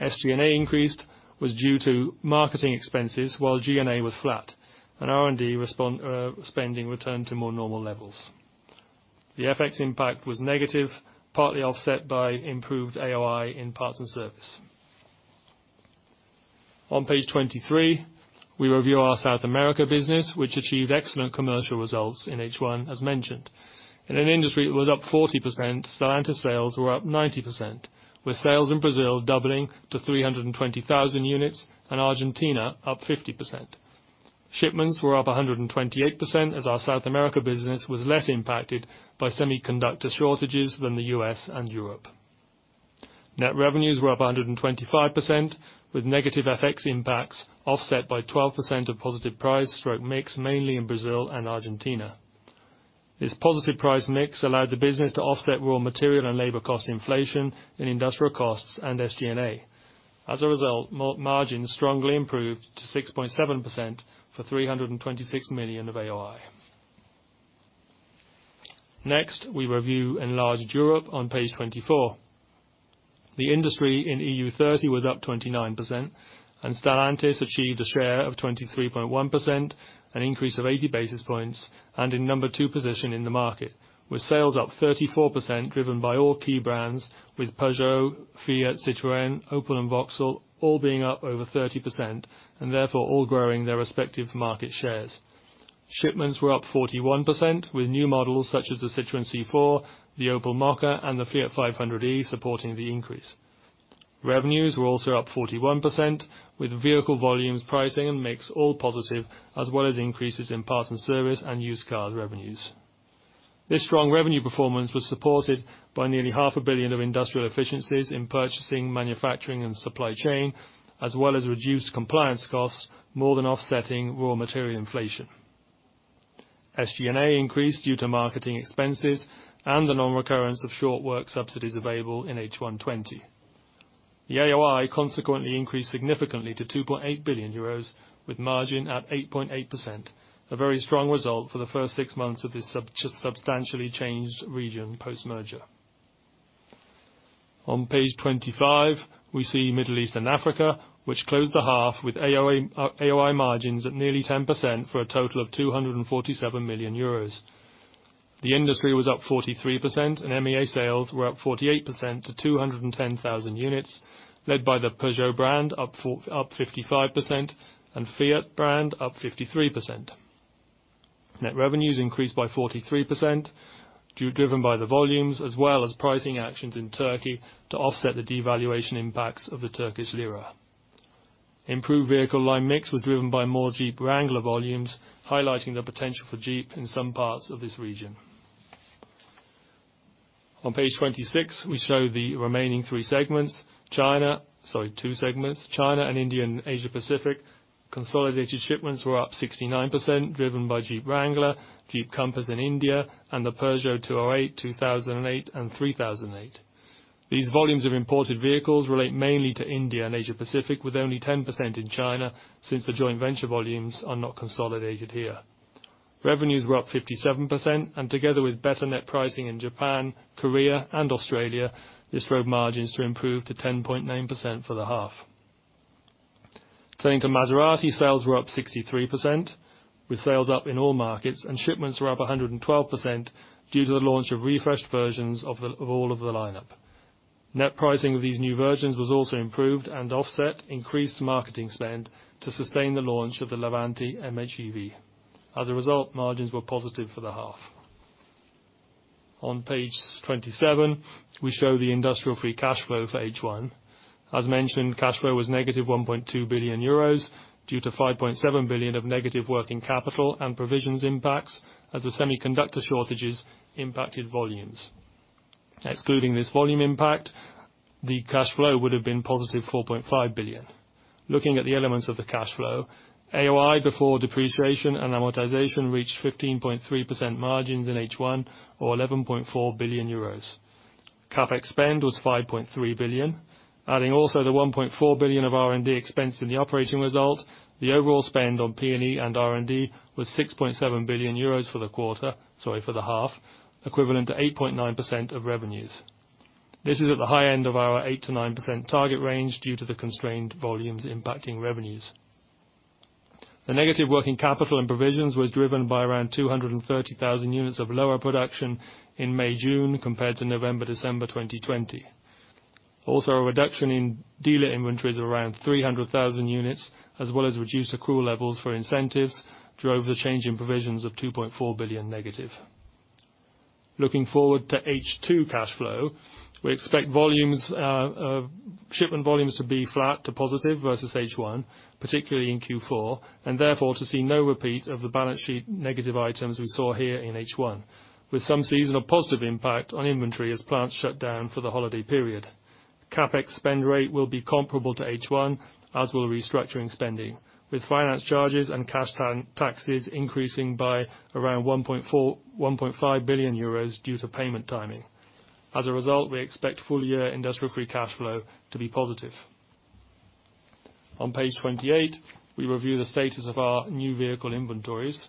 SG&A increase was due to marketing expenses while G&A was flat, and R&D spending returned to more normal levels. The FX impact was negative, partly offset by improved AOI in parts and service. On page 23, we review our South America business, which achieved excellent commercial results in H1, as mentioned. In an industry that was up 40%, Stellantis sales were up 90%, with sales in Brazil doubling to 320,000 units and Argentina up 50%. Shipments were up 128% as our South America business was less impacted by semiconductor shortages than the U.S. and Europe. Net revenues were up 125%, with negative FX impacts offset by 12% of positive price through a mix mainly in Brazil and Argentina. This positive price mix allowed the business to offset raw material and labor cost inflation in industrial costs and SG&A. As a result, margins strongly improved to 6.7% for 326 million of AOI. Next, we review Enlarged Europe on page 24. The industry in EU30 was up 29%, and Stellantis achieved a share of 23.1%, an increase of 80 basis points, and in number two position in the market, with sales up 34% driven by all key brands with Peugeot, Fiat, Citroën, Opel, and Vauxhall all being up over 30%, and therefore all growing their respective market shares. Shipments were up 41% with new models such as the Citroën C4, the Opel Mokka, and the Fiat 500e supporting the increase. Revenues were also up 41% with vehicle volumes, pricing, and mix all positive, as well as increases in parts and service and used cars revenues. This strong revenue performance was supported by nearly half a billion of industrial efficiencies in purchasing, manufacturing, and supply chain, as well as reduced compliance costs, more than offsetting raw material inflation. SG&A increased due to marketing expenses and the non-recurrence of short work subsidies available in H1 2020. The AOI consequently increased significantly to 2.8 billion euros, with margin at 8.8%, a very strong result for the first six months of this substantially changed region post-merger. On page 25, we see Middle East and Africa, which closed the half with AOI margins at nearly 10% for a total of 247 million euros. The industry was up 43% and MEA sales were up 48% to 210,000 units, led by the Peugeot brand up 55% and Fiat brand up 53%. Net revenues increased by 43%, driven by the volumes as well as pricing actions in Turkey to offset the devaluation impacts of the Turkish lira. Improved vehicle line mix was driven by more Jeep Wrangler volumes, highlighting the potential for Jeep in some parts of this region. On page 26, we show the remaining two segments, China and India and Asia Pacific. Consolidated shipments were up 69%, driven by Jeep Wrangler, Jeep Compass in India, and the Peugeot 208, 2008, and 3008. These volumes of imported vehicles relate mainly to India and Asia Pacific, with only 10% in China since the joint venture volumes are not consolidated here. Revenues were up 57%, and together with better net pricing in Japan, Korea, and Australia, this drove margins to improve to 10.9% for the half. Turning to Maserati, sales were up 63%, with sales up in all markets, and shipments were up 112% due to the launch of refreshed versions of all of the lineup. Net pricing of these new versions was also improved and offset increased marketing spend to sustain the launch of the Levante MHEV. As a result, margins were positive for the half. On page 27, we show the industrial free cash flow for H1. As mentioned, cash flow was negative 1.2 billion euros due to 5.7 billion of negative working capital and provisions impacts as the semiconductor shortages impacted volumes. Excluding this volume impact, the cash flow would have been positive 4.5 billion. Looking at the elements of the cash flow, AOI before depreciation and amortization reached 15.3% margins in H1 or 11.4 billion euros. CapEx spend was 5.3 billion. Adding also the 1.4 billion of R&D expense in the operating result, the overall spend on P&E and R&D was 6.7 billion euros for the half, equivalent to 8.9% of revenues. This is at the high end of our 8%-9% target range due to the constrained volumes impacting revenues. The negative working capital and provisions was driven by around 230,000 units of lower production in May, June, compared to November, December 2020. A reduction in dealer inventories of around 300,000 units, as well as reduced accrual levels for incentives drove the change in provisions of 2.4 billion negative. Looking forward to H2 cash flow, we expect shipment volumes to be flat to positive versus H1, particularly in Q4, and therefore to see no repeat of the balance sheet negative items we saw here in H1, with some seasonal positive impact on inventory as plants shut down for the holiday period. CapEx spend rate will be comparable to H1, as will restructuring spending, with finance charges and cash taxes increasing by around 1.5 billion euros due to payment timing. We expect full-year industrial free cash flow to be positive. On page 28, we review the status of our new vehicle inventories.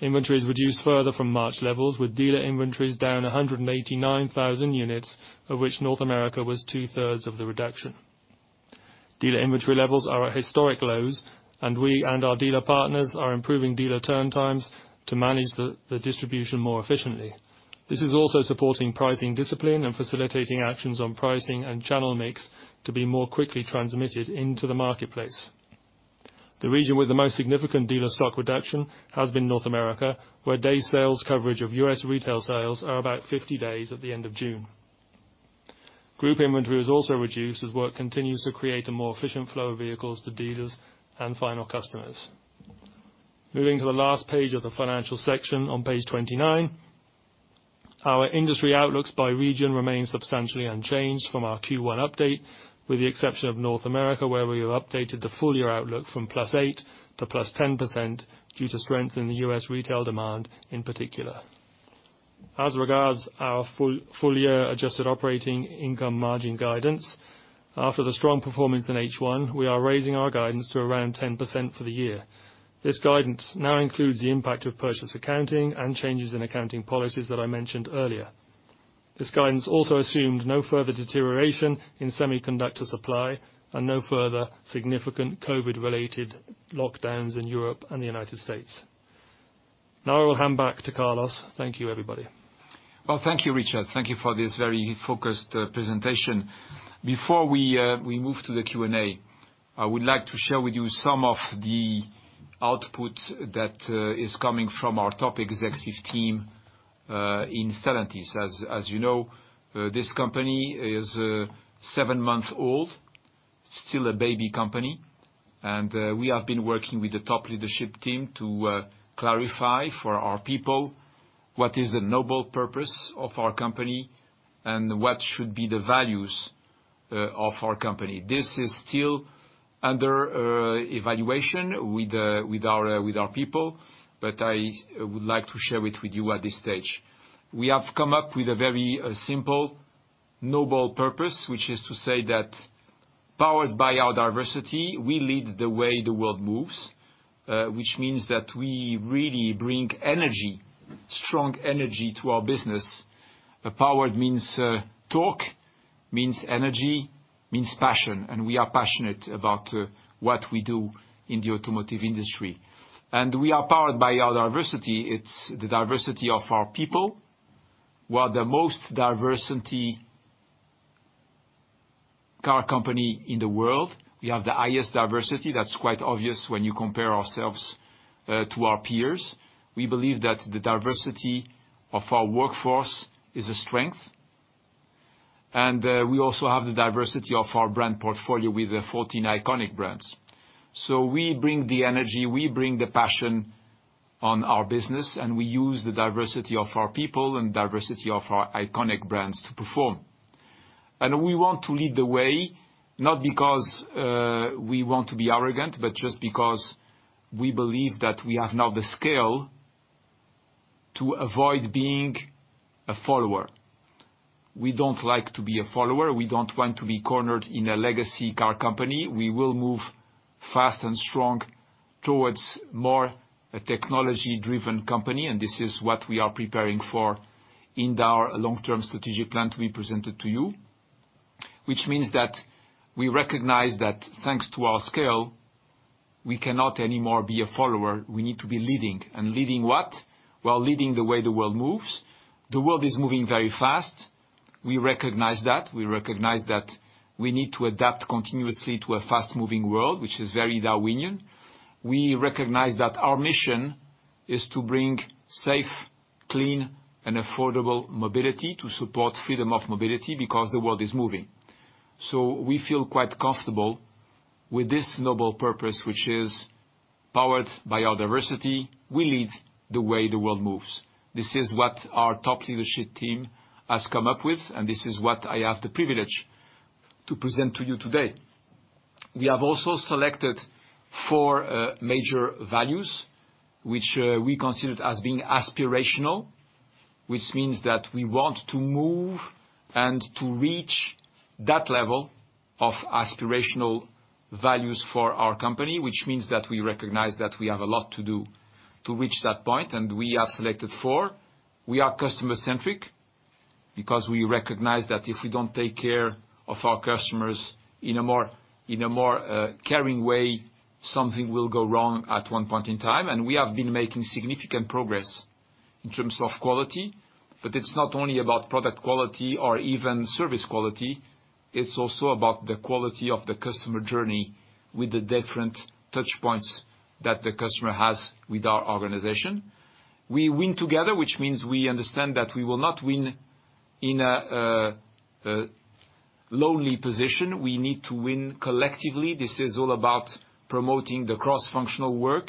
Inventories reduced further from March levels, with dealer inventories down 189,000 units, of which North America was two-thirds of the reduction. Dealer inventory levels are at historic lows, and we and our dealer partners are improving dealer turn times to manage the distribution more efficiently. This is also supporting pricing discipline and facilitating actions on pricing and channel mix to be more quickly transmitted into the marketplace. The region with the most significant dealer stock reduction has been North America, where day sales coverage of US retail sales are about 50 days at the end of June. Group inventory is also reduced as work continues to create a more efficient flow of vehicles to dealers and final customers. Moving to the last page of the financial section on page 29, our industry outlooks by region remain substantially unchanged from our Q1 update, with the exception of North America, where we have updated the full-year outlook from +8% to +10% due to strength in the US retail demand in particular. As regards our full-year adjusted operating income margin guidance, after the strong performance in H1, we are raising our guidance to around 10% for the year. This guidance now includes the impact of purchase accounting and changes in accounting policies that I mentioned earlier. This guidance also assumed no further deterioration in semiconductor supply and no further significant COVID-related lockdowns in Europe and the United States. I will hand back to Carlos. Thank you, everybody. Well, thank you, Richard. Thank you for this very focused presentation. Before we move to the Q&A, I would like to share with you some of the output that is coming from our top executive team in Stellantis. As you know, this company is seven months old, still a baby company. We have been working with the top leadership team to clarify for our people what is the noble purpose of our company and what should be the values of our company. This is still under evaluation with our people, I would like to share it with you at this stage. We have come up with a very simple, noble purpose, which is to say that powered by our diversity, we lead the way the world moves, which means that we really bring energy, strong energy, to our business. Powered means torque, means energy, means passion, and we are passionate about what we do in the automotive industry. We are powered by our diversity. It's the diversity of our people. We're the most diversity car company in the world. We have the highest diversity. That's quite obvious when you compare ourselves to our peers. We believe that the diversity of our workforce is a strength, and we also have the diversity of our brand portfolio with the 14 iconic brands. We bring the energy, we bring the passion on our business, and we use the diversity of our people and diversity of our iconic brands to perform. We want to lead the way, not because we want to be arrogant, but just because we believe that we have now the scale to avoid being a follower. We don't like to be a follower. We don't want to be cornered in a legacy car company. We will move fast and strong towards more a technology-driven company, and this is what we are preparing for in our long-term strategic plan to be presented to you. Which means that we recognize that thanks to our scale, we cannot anymore be a follower. We need to be leading. Leading what? Well, leading the way the world moves. The world is moving very fast. We recognize that. We recognize that we need to adapt continuously to a fast-moving world, which is very Darwinian. We recognize that our mission is to bring safe, clean, and affordable mobility to support freedom of mobility because the world is moving. We feel quite comfortable with this noble purpose, which is powered by our diversity. We lead the way the world moves. This is what our top leadership team has come up with, and this is what I have the privilege to present to you today. We have also selected four major values, which we considered as being aspirational, which means that we want to move and to reach that level of aspirational values for our company, which means that we recognize that we have a lot to do to reach that point, and we have selected four. We are customer-centric because we recognize that if we don't take care of our customers in a more caring way, something will go wrong at one point in time. We have been making significant progress in terms of quality. It's not only about product quality or even service quality, it's also about the quality of the customer journey with the different touchpoints that the customer has with our organization. We win together, which means we understand that we will not win in a lonely position. We need to win collectively. This is all about promoting the cross-functional work.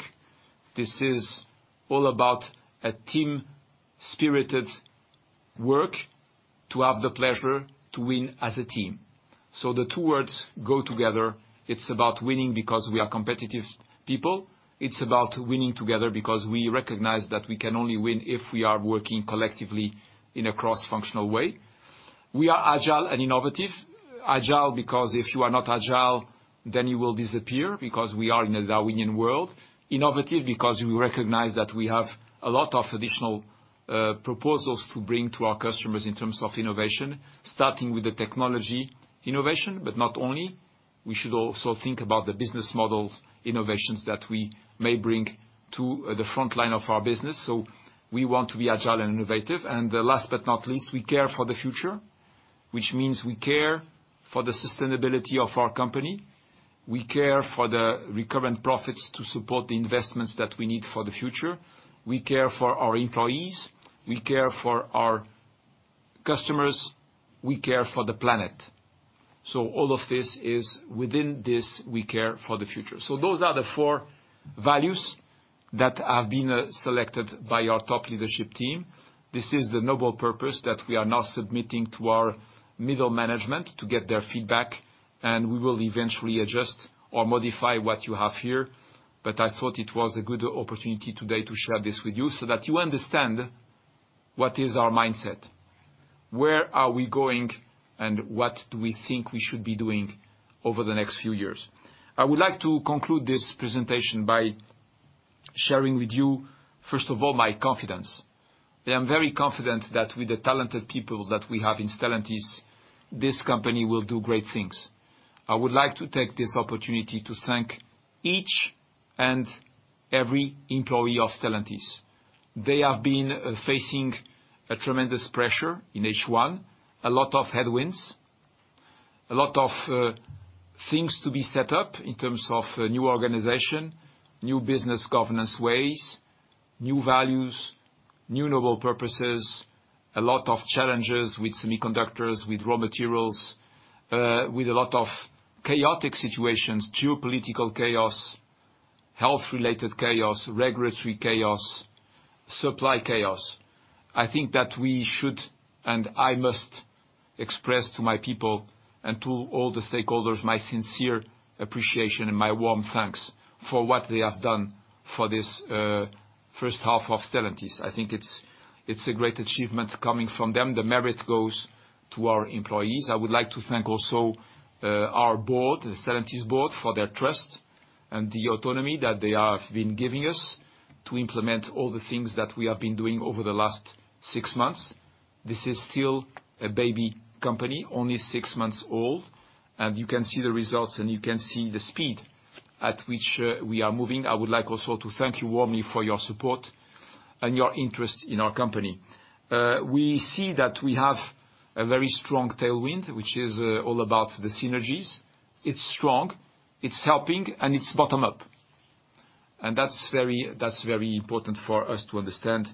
This is all about a team-spirited work to have the pleasure to win as a team. The two words go together. It's about winning because we are competitive people. It's about winning together because we recognize that we can only win if we are working collectively in a cross-functional way. We are agile and innovative. Agile because if you are not agile, then you will disappear, because we are in a Darwinian world. Innovative because we recognize that we have a lot of additional proposals to bring to our customers in terms of innovation, starting with the technology innovation, but not only. We should also think about the business model innovations that we may bring to the front line of our business. We want to be agile and innovative. Last but not least, we care for the future, which means we care for the sustainability of our company, we care for the recurrent profits to support the investments that we need for the future. We care for our employees. We care for our customers. We care for the planet. All of this is within this, we care for the future. Those are the four values that have been selected by our top leadership team. This is the noble purpose that we are now submitting to our middle management to get their feedback, we will eventually adjust or modify what you have here. I thought it was a good opportunity today to share this with you so that you understand what is our mindset, where are we going, and what do we think we should be doing over the next few years. I would like to conclude this presentation by sharing with you, first of all, my confidence. I am very confident that with the talented people that we have in Stellantis, this company will do great things. I would like to take this opportunity to thank each and every employee of Stellantis. They have been facing a tremendous pressure in H1. A lot of headwinds, a lot of things to be set up in terms of new organization, new business governance ways, new values, new noble purposes, a lot of challenges with semiconductors, with raw materials, with a lot of chaotic situations, geopolitical chaos, health-related chaos, regulatory chaos, supply chaos. I think that we should, and I must express to my people and to all the stakeholders my sincere appreciation and my warm thanks for what they have done for this first half of Stellantis. I think it's a great achievement coming from them. The merit goes to our employees. I would like to thank also our board, the Stellantis board, for their trust and the autonomy that they have been giving us to implement all the things that we have been doing over the last six months. This is still a baby company, only six months old. You can see the results, and you can see the speed at which we are moving. I would like also to thank you warmly for your support and your interest in our company. We see that we have a very strong tailwind, which is all about the synergies. It's strong, it's helping, and it's bottom up. That's very important for us to understand.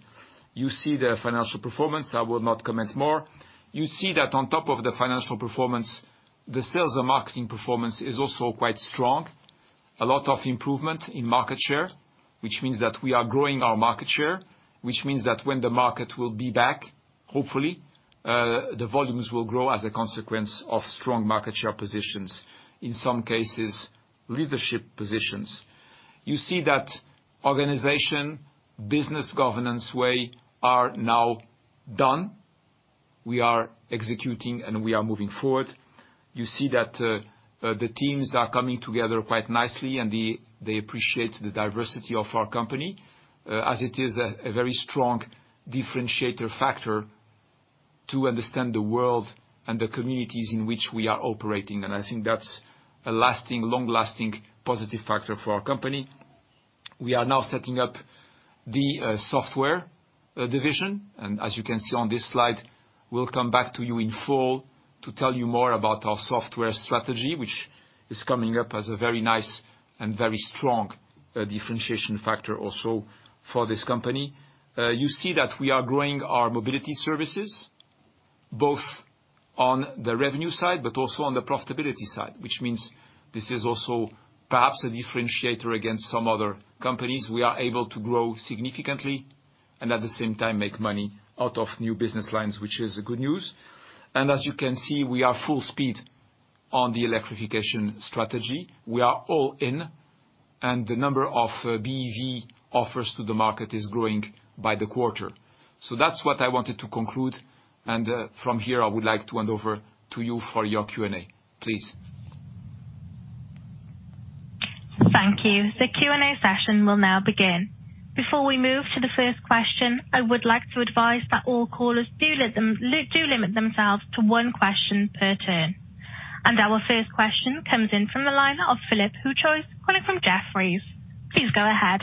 You see the financial performance. I will not comment more. You see that on top of the financial performance, the sales and marketing performance is also quite strong. A lot of improvement in market share, which means that we are growing our market share, which means that when the market will be back, hopefully, the volumes will grow as a consequence of strong market share positions, in some cases, leadership positions. You see that organization, business governance way are now done. We are executing, and we are moving forward. You see that the teams are coming together quite nicely, and they appreciate the diversity of our company, as it is a very strong differentiator factor to understand the world and the communities in which we are operating. I think that's a long-lasting positive factor for our company. We are now setting up the software division, and as you can see on this slide, we'll come back to you in fall to tell you more about our software strategy, which is coming up as a very nice and very strong differentiation factor also for this company. You see that we are growing our mobility services, both on the revenue side, but also on the profitability side, which means this is also perhaps a differentiator against some other companies. We are able to grow significantly and at the same time, make money out of new business lines, which is good news. As you can see, we are full speed on the electrification strategy. We are all in, and the number of BEV offers to the market is growing by the quarter. That's what I wanted to conclude. From here, I would like to hand over to you for your Q&A. Please. Thank you. The Q&A session will now begin. Before we move to the first question, I would like to advise that all callers do limit themselves to one question per turn. Our first question comes in from the line of Philippe Houchois from Jefferies. Please go ahead.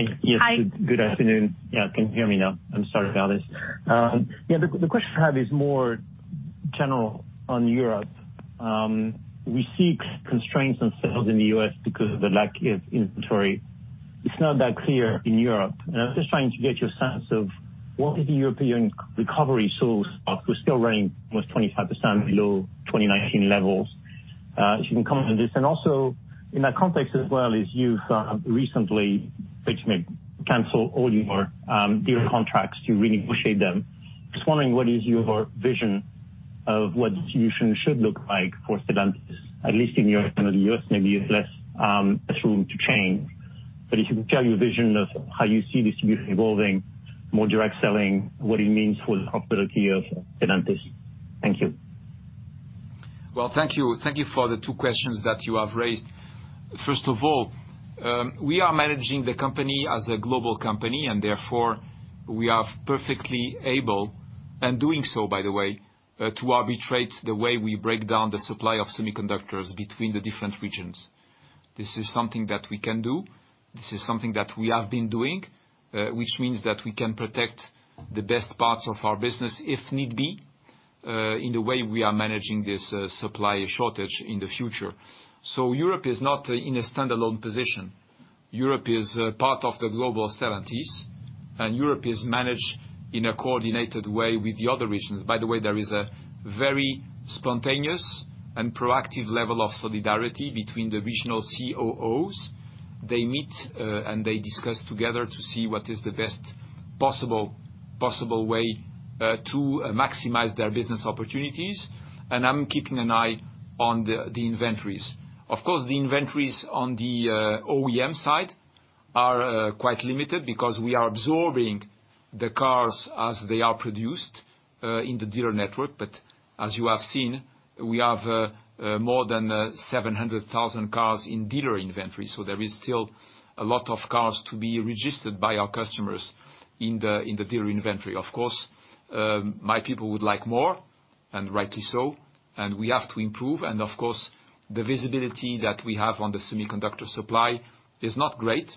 Good afternoon. Yeah, can you hear me now? I'm sorry about this. The question I have is more general on Europe. We see constraints on sales in the U.S. because of the lack of inventory. It's not that clear in Europe, and I was just trying to get your sense of what is the European recovery sort of stuff. We're still running almost 25% below 2019 levels. If you can comment on this, and also in that context as well is you've recently basically canceled all your dealer contracts to renegotiate them. Just wondering, what is your vision of what distribution should look like for Stellantis, at least in Europe? I know the U.S. maybe is less room to change. If you can share your vision of how you see distribution evolving, more direct selling, what it means for the profitability of Stellantis.? Thank you. Well, thank you for the two questions that you have raised. First of all, we are managing the company as a global company, and therefore, we are perfectly able, and doing so by the way, to arbitrate the way we break down the supply of semiconductors between the different regions. This is something that we can do. This is something that we have been doing, which means that we can protect the best parts of our business if need be, in the way we are managing this supply shortage in the future. Europe is not in a standalone position. Europe is part of the global Stellantis, and Europe is managed in a coordinated way with the other regions. By the way, there is a very spontaneous and proactive level of solidarity between the regional COOs. They meet, they discuss together to see what is the best possible way to maximize their business opportunities. I'm keeping an eye on the inventories. Of course, the inventories on the OEM side are quite limited because we are absorbing the cars as they are produced, in the dealer network. As you have seen, we have more than 700,000 cars in dealer inventory. There is still a lot of cars to be registered by our customers in the dealer inventory. Of course, my people would like more, and rightly so, and we have to improve. Of course, the visibility that we have on the semiconductor supply is not great.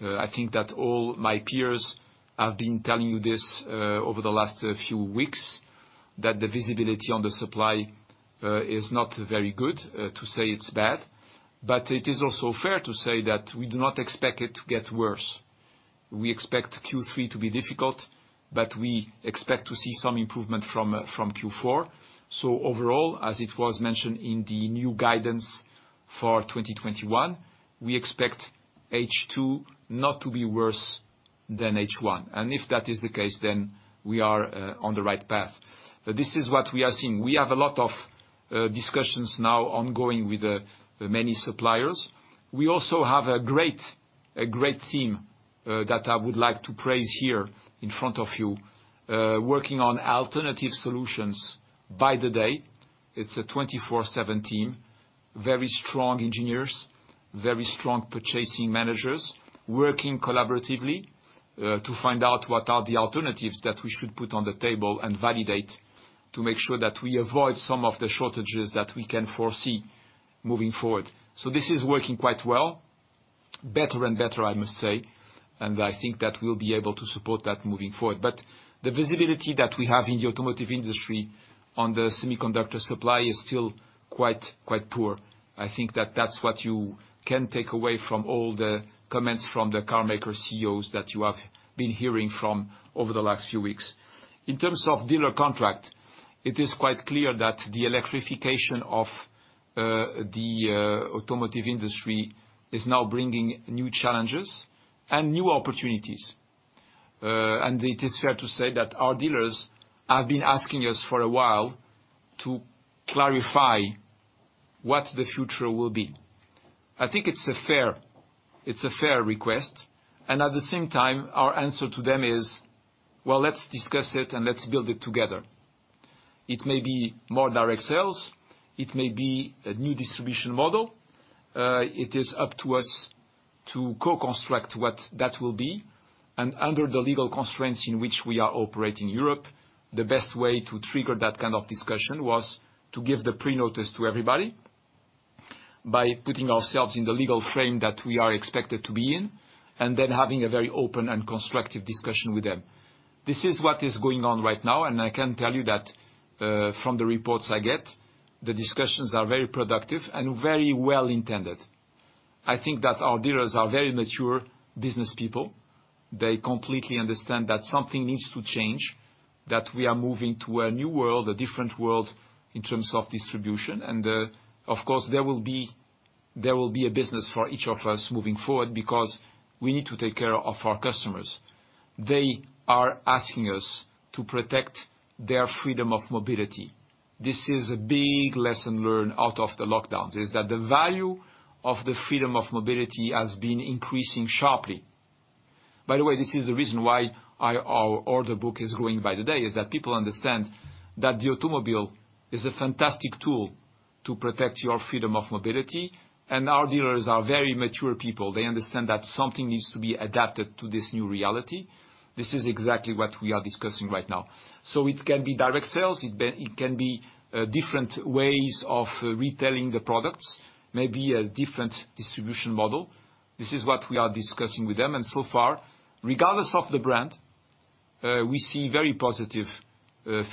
I think that all my peers have been telling you this over the last few weeks, that the visibility on the supply is not very good, to say it's bad. It is also fair to say that we do not expect it to get worse. We expect Q3 to be difficult, but we expect to see some improvement from Q4. Overall, as it was mentioned in the new guidance for 2021, we expect H2 not to be worse than H1. If that is the case, we are on the right path. This is what we are seeing. We have a lot of discussions now ongoing with the many suppliers. We also have a great team that I would like to praise here in front of you, working on alternative solutions by the day. It's a 24/7 team, very strong engineers, very strong purchasing managers, working collaboratively to find out what are the alternatives that we should put on the table and validate to make sure that we avoid some of the shortages that we can foresee moving forward. This is working quite well. Better and better, I must say, and I think that we'll be able to support that moving forward. The visibility that we have in the automotive industry on the semiconductor supply is still quite poor. I think that that's what you can take away from all the comments from the carmaker CEOs that you have been hearing from over the last few weeks. In terms of dealer contract, it is quite clear that the electrification of the automotive industry is now bringing new challenges and new opportunities. It is fair to say that our dealers have been asking us for a while to clarify what the future will be. I think it's a fair request, and at the same time, our answer to them is, well, let's discuss it and let's build it together. It may be more direct sales. It may be a new distribution model. It is up to us to co-construct what that will be, and under the legal constraints in which we operate in Europe, the best way to trigger that kind of discussion was to give the prenotice to everybody by putting ourselves in the legal frame that we are expected to be in, and then having a very open and constructive discussion with them. This is what is going on right now, and I can tell you that, from the reports I get, the discussions are very productive and very well-intended. I think that our dealers are very mature business people. They completely understand that something needs to change, that we are moving to a new world, a different world in terms of distribution. Of course, there will be a business for each of us moving forward because we need to take care of our customers. They are asking us to protect their freedom of mobility. This is a big lesson learned out of the lockdowns, is that the value of the freedom of mobility has been increasing sharply. By the way, this is the reason why our order book is growing by the day, is that people understand that the automobile is a fantastic tool to protect your freedom of mobility. Our dealers are very mature people. They understand that something needs to be adapted to this new reality. This is exactly what we are discussing right now. It can be direct sales. It can be different ways of retailing the products, maybe a different distribution model. This is what we are discussing with them, and so far, regardless of the brand. We see very positive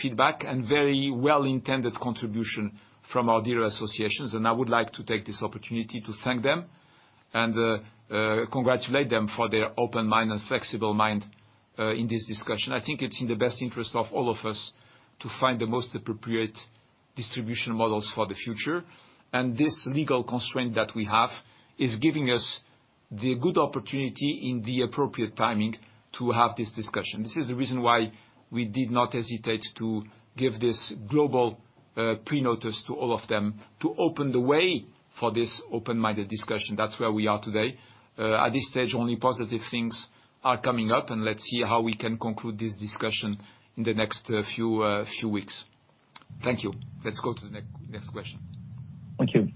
feedback and very well-intended contribution from our dealer associations, and I would like to take this opportunity to thank them and congratulate them for their open mind and flexible mind in this discussion. I think it's in the best interest of all of us to find the most appropriate distribution models for the future. This legal constraint that we have is giving us the good opportunity in the appropriate timing to have this discussion. This is the reason why we did not hesitate to give this global pre-notice to all of them to open the way for this open-minded discussion. That's where we are today. At this stage, only positive things are coming up, and let's see how we can conclude this discussion in the next few weeks. Thank you. Let's go to the next question. Thank you.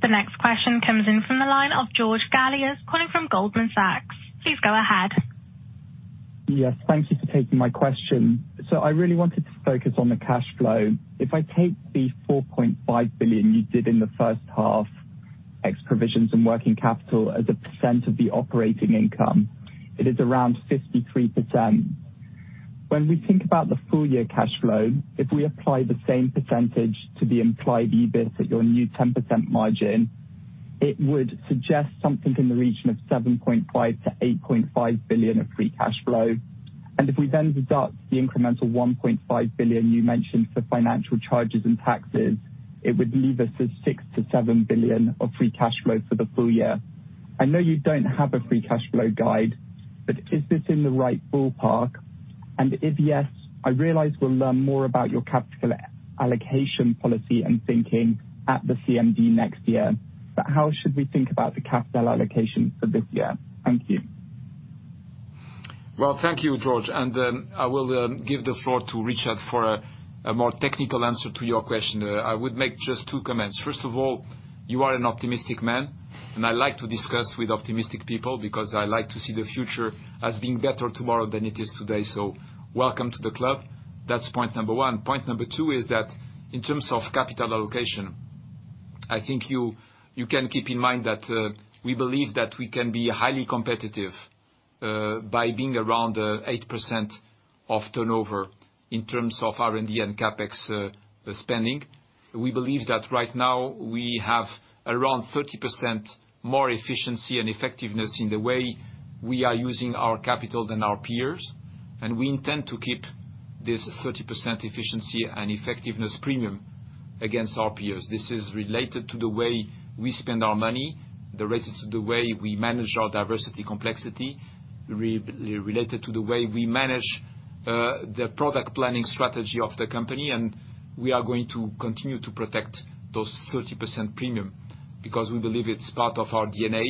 The next question comes in from the line of George Galliers calling from Goldman Sachs. Please go ahead. Yes, thank you for taking my question. I really wanted to focus on the cash flow. If I take the 4.5 billion you did in the first half, ex provisions and working capital as a % of the operating income, it is around 53%. When we think about the full year cash flow, if we apply the same percentage to the implied EBIT at your new 10% margin, it would suggest something in the region of 7.5 billion-8.5 billion of free cash flow. If we then deduct the incremental 1.5 billion you mentioned for financial charges and taxes, it would leave us with 6 billion-7 billion of free cash flow for the full year. I know you don't have a free cash flow guide, is this in the right ballpark? If yes, I realize we'll learn more about your capital allocation policy and thinking at the CMD next year. How should we think about the capital allocation for this year? Thank you. Well, thank you, George. I will give the floor to Richard for a more technical answer to your question. I would make just two comments. First of all, you are an optimistic man, and I like to discuss with optimistic people because I like to see the future as being better tomorrow than it is today. Welcome to the club. That's point number one. Point number two is that in terms of capital allocation, I think you can keep in mind that we believe that we can be highly competitive by being around 8% of turnover in terms of R&D and CapEx spending. We believe that right now we have around 30% more efficiency and effectiveness in the way we are using our capital than our peers, and we intend to keep this 30% efficiency and effectiveness premium against our peers. This is related to the way we spend our money, related to the way we manage our diversity complexity, related to the way we manage the product planning strategy of the company. We are going to continue to protect those 30% premium because we believe it's part of our DNA,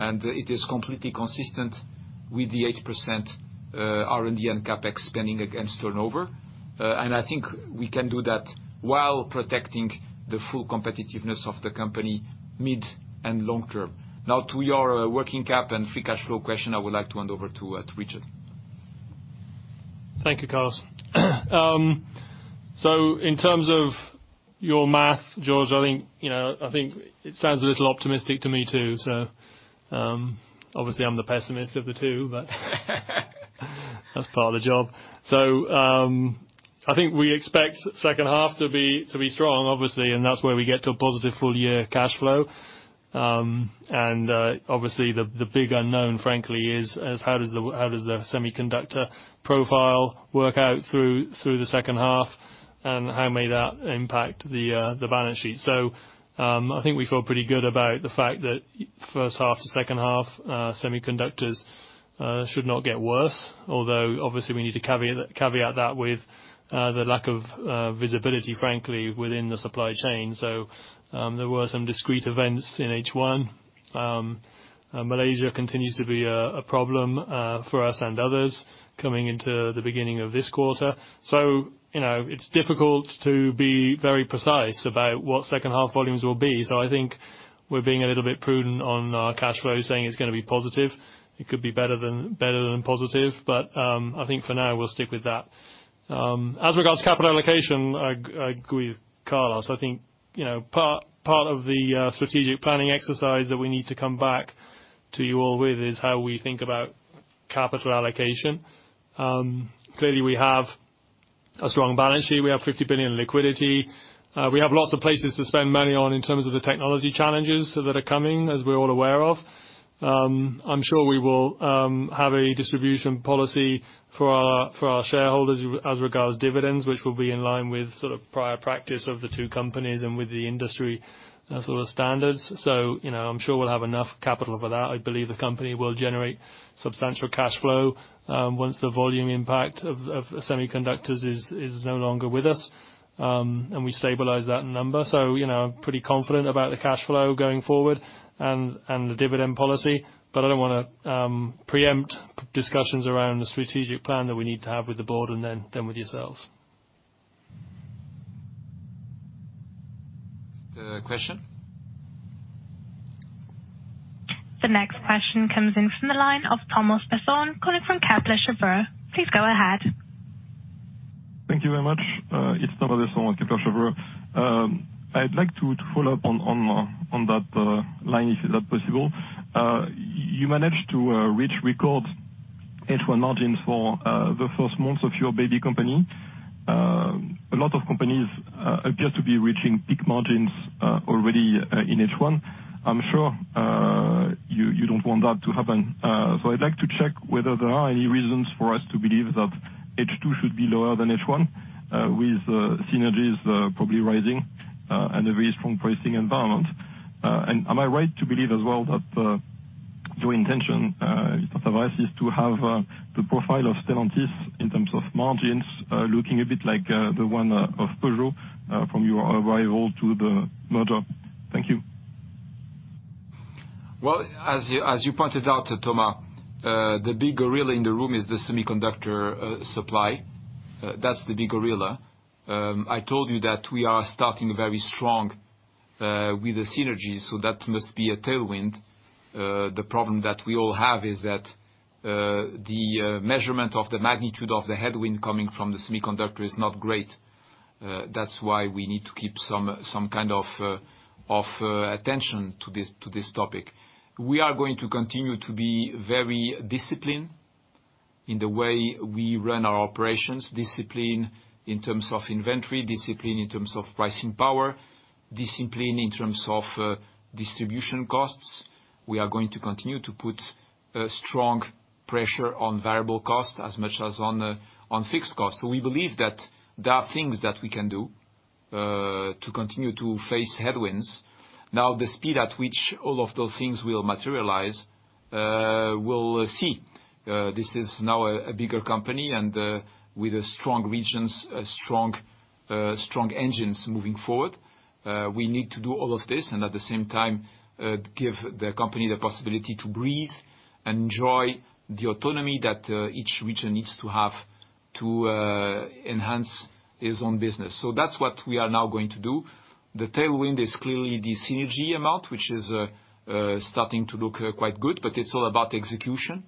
and it is completely consistent with the 8% R&D and CapEx spending against turnover. I think we can do that while protecting the full competitiveness of the company mid and long term. Now to your working cap and free cash flow question, I would like to hand over to Richard. Thank you, Carlos. In terms of your math, George, I think it sounds a little optimistic to me too. Obviously I'm the pessimist of the two, but that's part of the job. I think we expect second half to be strong, obviously, and that's where we get to a positive full year cash flow. Obviously the big unknown, frankly, is how does the semiconductor profile work out through the second half, and how may that impact the balance sheet? I think we feel pretty good about the fact that first half to second half, semiconductors should not get worse, although obviously we need to caveat that with the lack of visibility, frankly, within the supply chain. There were some discrete events in H1. Malaysia continues to be a problem for us and others coming into the beginning of this quarter. It's difficult to be very precise about what second half volumes will be. I think we're being a little bit prudent on our cash flow, saying it's going to be positive. It could be better than positive, but I think for now we'll stick with that. As regards to capital allocation, I agree with Carlos. I think part of the strategic planning exercise that we need to come back to you all with is how we think about capital allocation. Clearly, we have a strong balance sheet. We have 50 billion in liquidity. We have lots of places to spend money on in terms of the technology challenges that are coming, as we're all aware of. I'm sure we will have a distribution policy for our shareholders as regards dividends, which will be in line with prior practice of the two companies and with the industry sort of standards. I'm sure we'll have enough capital for that. I believe the company will generate substantial cash flow once the volume impact of semiconductors is no longer with us, and we stabilize that number. I'm pretty confident about the cash flow going forward and the dividend policy, but I don't want to preempt discussions around the strategic plan that we need to have with the board and then with yourselves. Is there a question? The next question comes in from the line of Thomas Besson calling from Kepler Cheuvreux. Please go ahead. Thank you very much. It's Thomas at Kepler Cheuvreux. I'd like to follow up on that line, if is that possible. You managed to reach record H1 margins for the first month of your baby company. A lot of companies appear to be reaching peak margins already in H1. I'm sure you don't want that to happen. I'd like to check whether there are any reasons for us to believe that H2 should be lower than H1, with synergies probably rising, and a very strong pricing environment. Am I right to believe as well that your intention, if I may, is to have the profile of Stellantis in terms of margins, looking a bit like the one of Peugeot from your arrival to the merger. Thank you. As you pointed out, Thomas, the big gorilla in the room is the semiconductor supply. That's the big gorilla. I told you that we are starting very strong with the synergies, so that must be a tailwind. The problem that we all have is that the measurement of the magnitude of the headwind coming from the semiconductor is not great. That's why we need to keep some kind of attention to this topic. We are going to continue to be very disciplined in the way we run our operations. Disciplined in terms of inventory, disciplined in terms of pricing power, disciplined in terms of distribution costs. We are going to continue to put strong pressure on variable costs as much as on fixed costs. We believe that there are things that we can do to continue to face headwinds. The speed at which all of those things will materialize, we'll see. This is now a bigger company, and with strong regions, strong engines moving forward. We need to do all of this, and at the same time, give the company the possibility to breathe, enjoy the autonomy that each region needs to have to enhance its own business. That's what we are now going to do. The tailwind is clearly the synergy amount, which is starting to look quite good, but it's all about execution.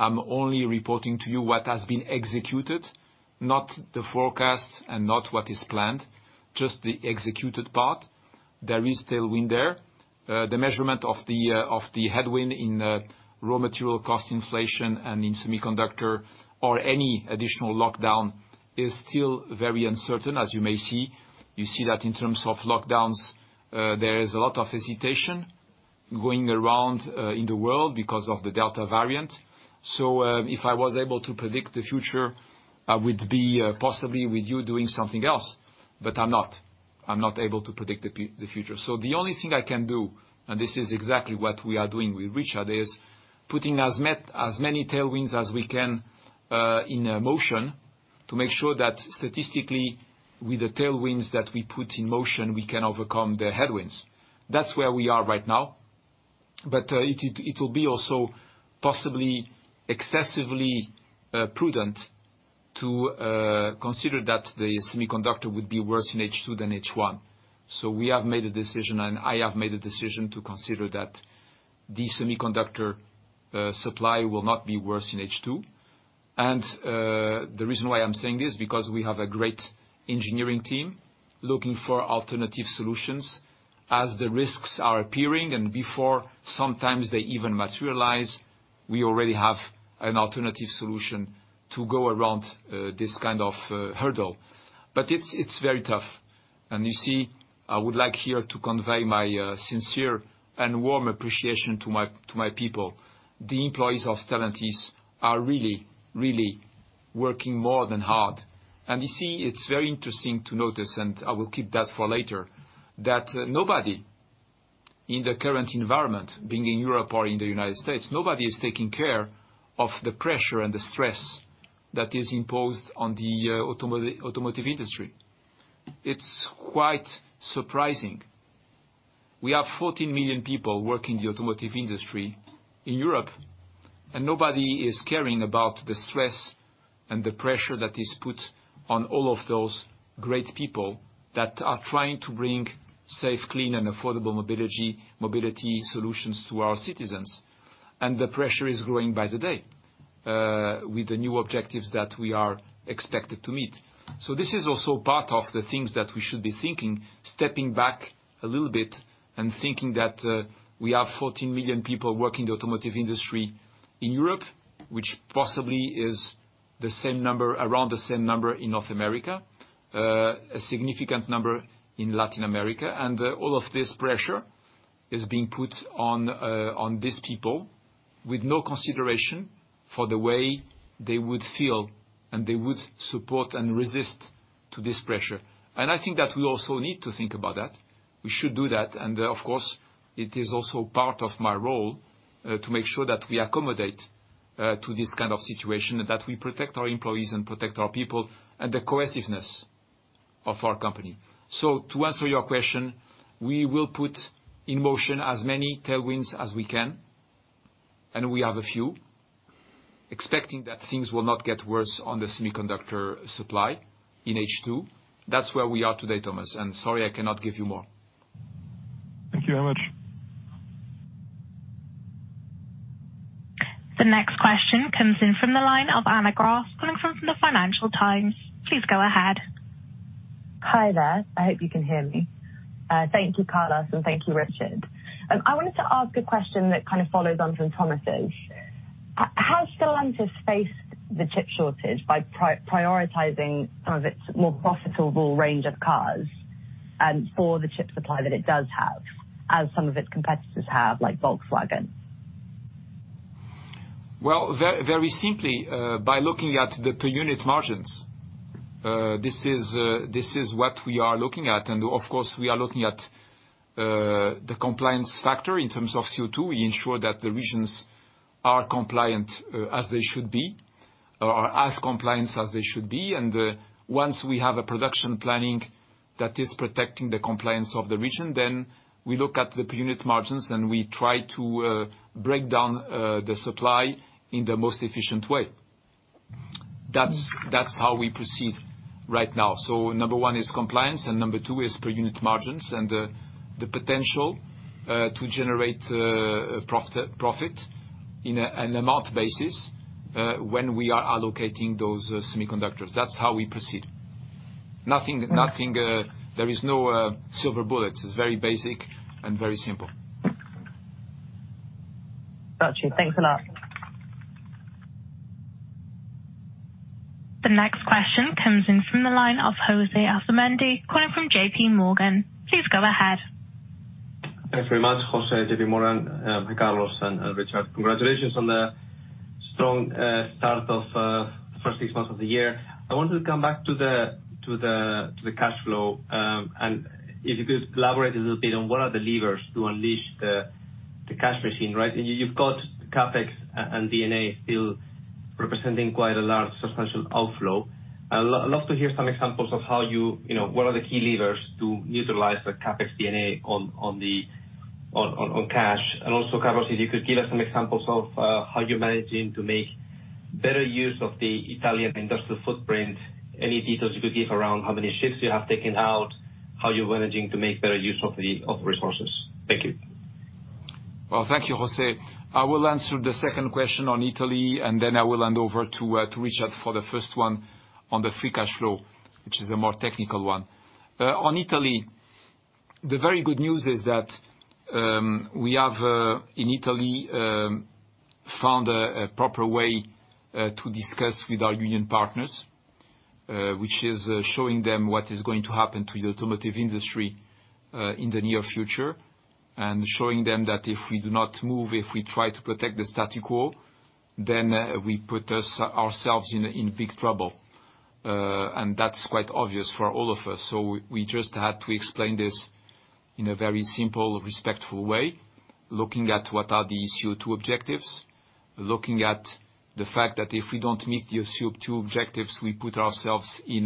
I'm only reporting to you what has been executed, not the forecast and not what is planned, just the executed part. There is tailwind there. The measurement of the headwind in raw material cost inflation and in semiconductor or any additional lockdown is still very uncertain, as you may see. You see that in terms of lockdowns, there is a lot of hesitation going around in the world because of the Delta variant. If I was able to predict the future, I would be possibly with you doing something else, but I'm not. I'm not able to predict the future. The only thing I can do, and this is exactly what we are doing with Richard, is putting as many tailwinds as we can in motion to make sure that statistically, with the tailwinds that we put in motion, we can overcome the headwinds. That's where we are right now, it'll be also possibly excessively prudent to consider that the semiconductor would be worse in H2 than H1. We have made a decision, and I have made a decision to consider that the semiconductor supply will not be worse in H2. The reason why I'm saying this, because we have a great engineering team looking for alternative solutions as the risks are appearing. Before sometimes they even materialize, we already have an alternative solution to go around this kind of hurdle. It's very tough. You see, I would like here to convey my sincere and warm appreciation to my people. The employees of Stellantis are really working more than hard. You see, it's very interesting to notice, and I will keep that for later, that nobody in the current environment, being in Europe or in the United States, nobody is taking care of the pressure and the stress that is imposed on the automotive industry. It's quite surprising. We have 14 million people working in the automotive industry in Europe, and nobody is caring about the stress and the pressure that is put on all of those great people that are trying to bring safe, clean, and affordable mobility solutions to our citizens. The pressure is growing by the day with the new objectives that we are expected to meet. This is also part of the things that we should be thinking, stepping back a little bit and thinking that we have 14 million people working in the automotive industry in Europe, which possibly is around the same number in North America, a significant number in Latin America. All of this pressure is being put on these people with no consideration for the way they would feel, and they would support and resist to this pressure. I think that we also need to think about that. We should do that, and of course, it is also part of my role to make sure that we accommodate to this kind of situation and that we protect our employees and protect our people and the cohesiveness of our company. To answer your question, we will put in motion as many tailwinds as we can, and we have a few, expecting that things will not get worse on the semiconductor supply in H2. That's where we are today, Thomas. Sorry, I cannot give you more. Thank you very much. The next question comes in from the line of Anna Gross, coming from The Financial Times. Please go ahead. Hi there. I hope you can hear me. Thank you, Carlos, and thank you, Richard. I wanted to ask a question that kind of follows on from Thomas'. Has Stellantis faced the chip shortage by prioritizing some of its more profitable range of cars for the chip supply that it does have, as some of its competitors have, like Volkswagen? Well, very simply, by looking at the per unit margins. This is what we are looking at, and, of course, we are looking at the compliance factor in terms of CO2. We ensure that the regions are compliant as they should be, or are as compliant as they should be. Once we have a production planning that is protecting the compliance of the region, then we look at the per unit margins and we try to break down the supply in the most efficient way. That's how we proceed right now. Number one is compliance, and number two is per unit margins and the potential to generate profit in a month basis when we are allocating those semiconductors. That's how we proceed. There is no silver bullet. It's very basic and very simple. Got you. Thanks a lot. The next question comes in from the line of José Asumendi, calling from JPMorgan. Please go ahead. Thanks very much. José, JPMorgan. Hi, Carlos and Richard. Congratulations on the strong start of the first six months of the year. I wanted to come back to the cash flow. If you could elaborate a little bit on what are the levers to unleash the cash machine. You've got CapEx and D&A still representing quite a large substantial outflow. I'd love to hear some examples of what are the key levers to utilize the CapEx, D&A on cash. Also, Carlos, if you could give us some examples of how you're managing to make better use of the Italian industrial footprint. Any details you could give around how many shifts you have taken out, how you're managing to make better use of resources? Thank you. Well, thank you, José. I will answer the second question on Italy, then I will hand over to Richard for the first one on the free cash flow, which is a more technical one. On Italy, the very good news is that we have, in Italy, found a proper way to discuss with our union partners, which is showing them what is going to happen to the automotive industry in the near future, and showing them that if we do not move, if we try to protect the status quo, then we put ourselves in big trouble. That's quite obvious for all of us. We just had to explain this in a very simple, respectful way, looking at what are the CO2 objectives, looking at the fact that if we don't meet the issue of two objectives, we put ourselves in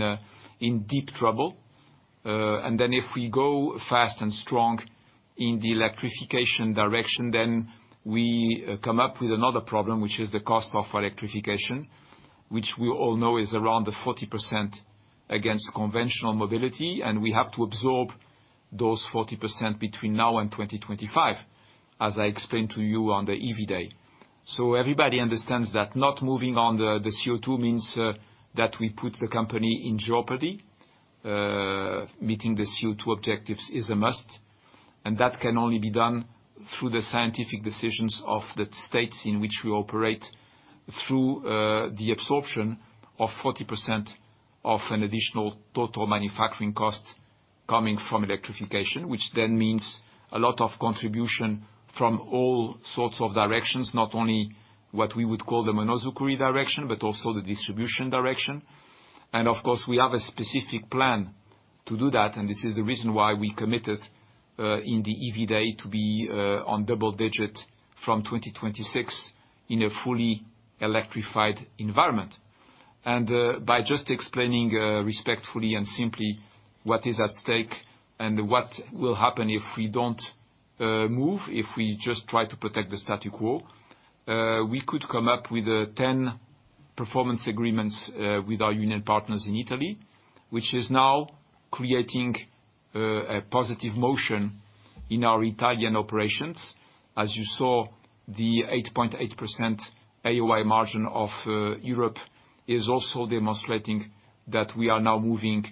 deep trouble. If we go fast and strong in the electrification direction, then we come up with another problem, which is the cost of electrification, which we all know is around the 40% against conventional mobility, and we have to absorb those 40% between now and 2025, as I explained to you on the EV Day. Everybody understands that not moving on the CO2 means that we put the company in jeopardy. Meeting the CO2 objectives is a must. That can only be done through the scientific decisions of the states in which we operate through the absorption of 40% of an additional total manufacturing cost coming from electrification, which then means a lot of contribution from all sorts of directions, not only what we would call the Monozukuri direction, but also the distribution direction. Of course, we have a specific plan to do that, and this is the reason why we committed, in the EV Day, to be on double-digit from 2026 in a fully electrified environment. By just explaining respectfully and simply what is at stake and what will happen if we don't move, if we just try to protect the status quo, we could come up with 10 performance agreements with our union partners in Italy, which is now creating a positive motion in our Italian operations. As you saw, the 8.8% AOI margin of Europe is also demonstrating that we are now moving,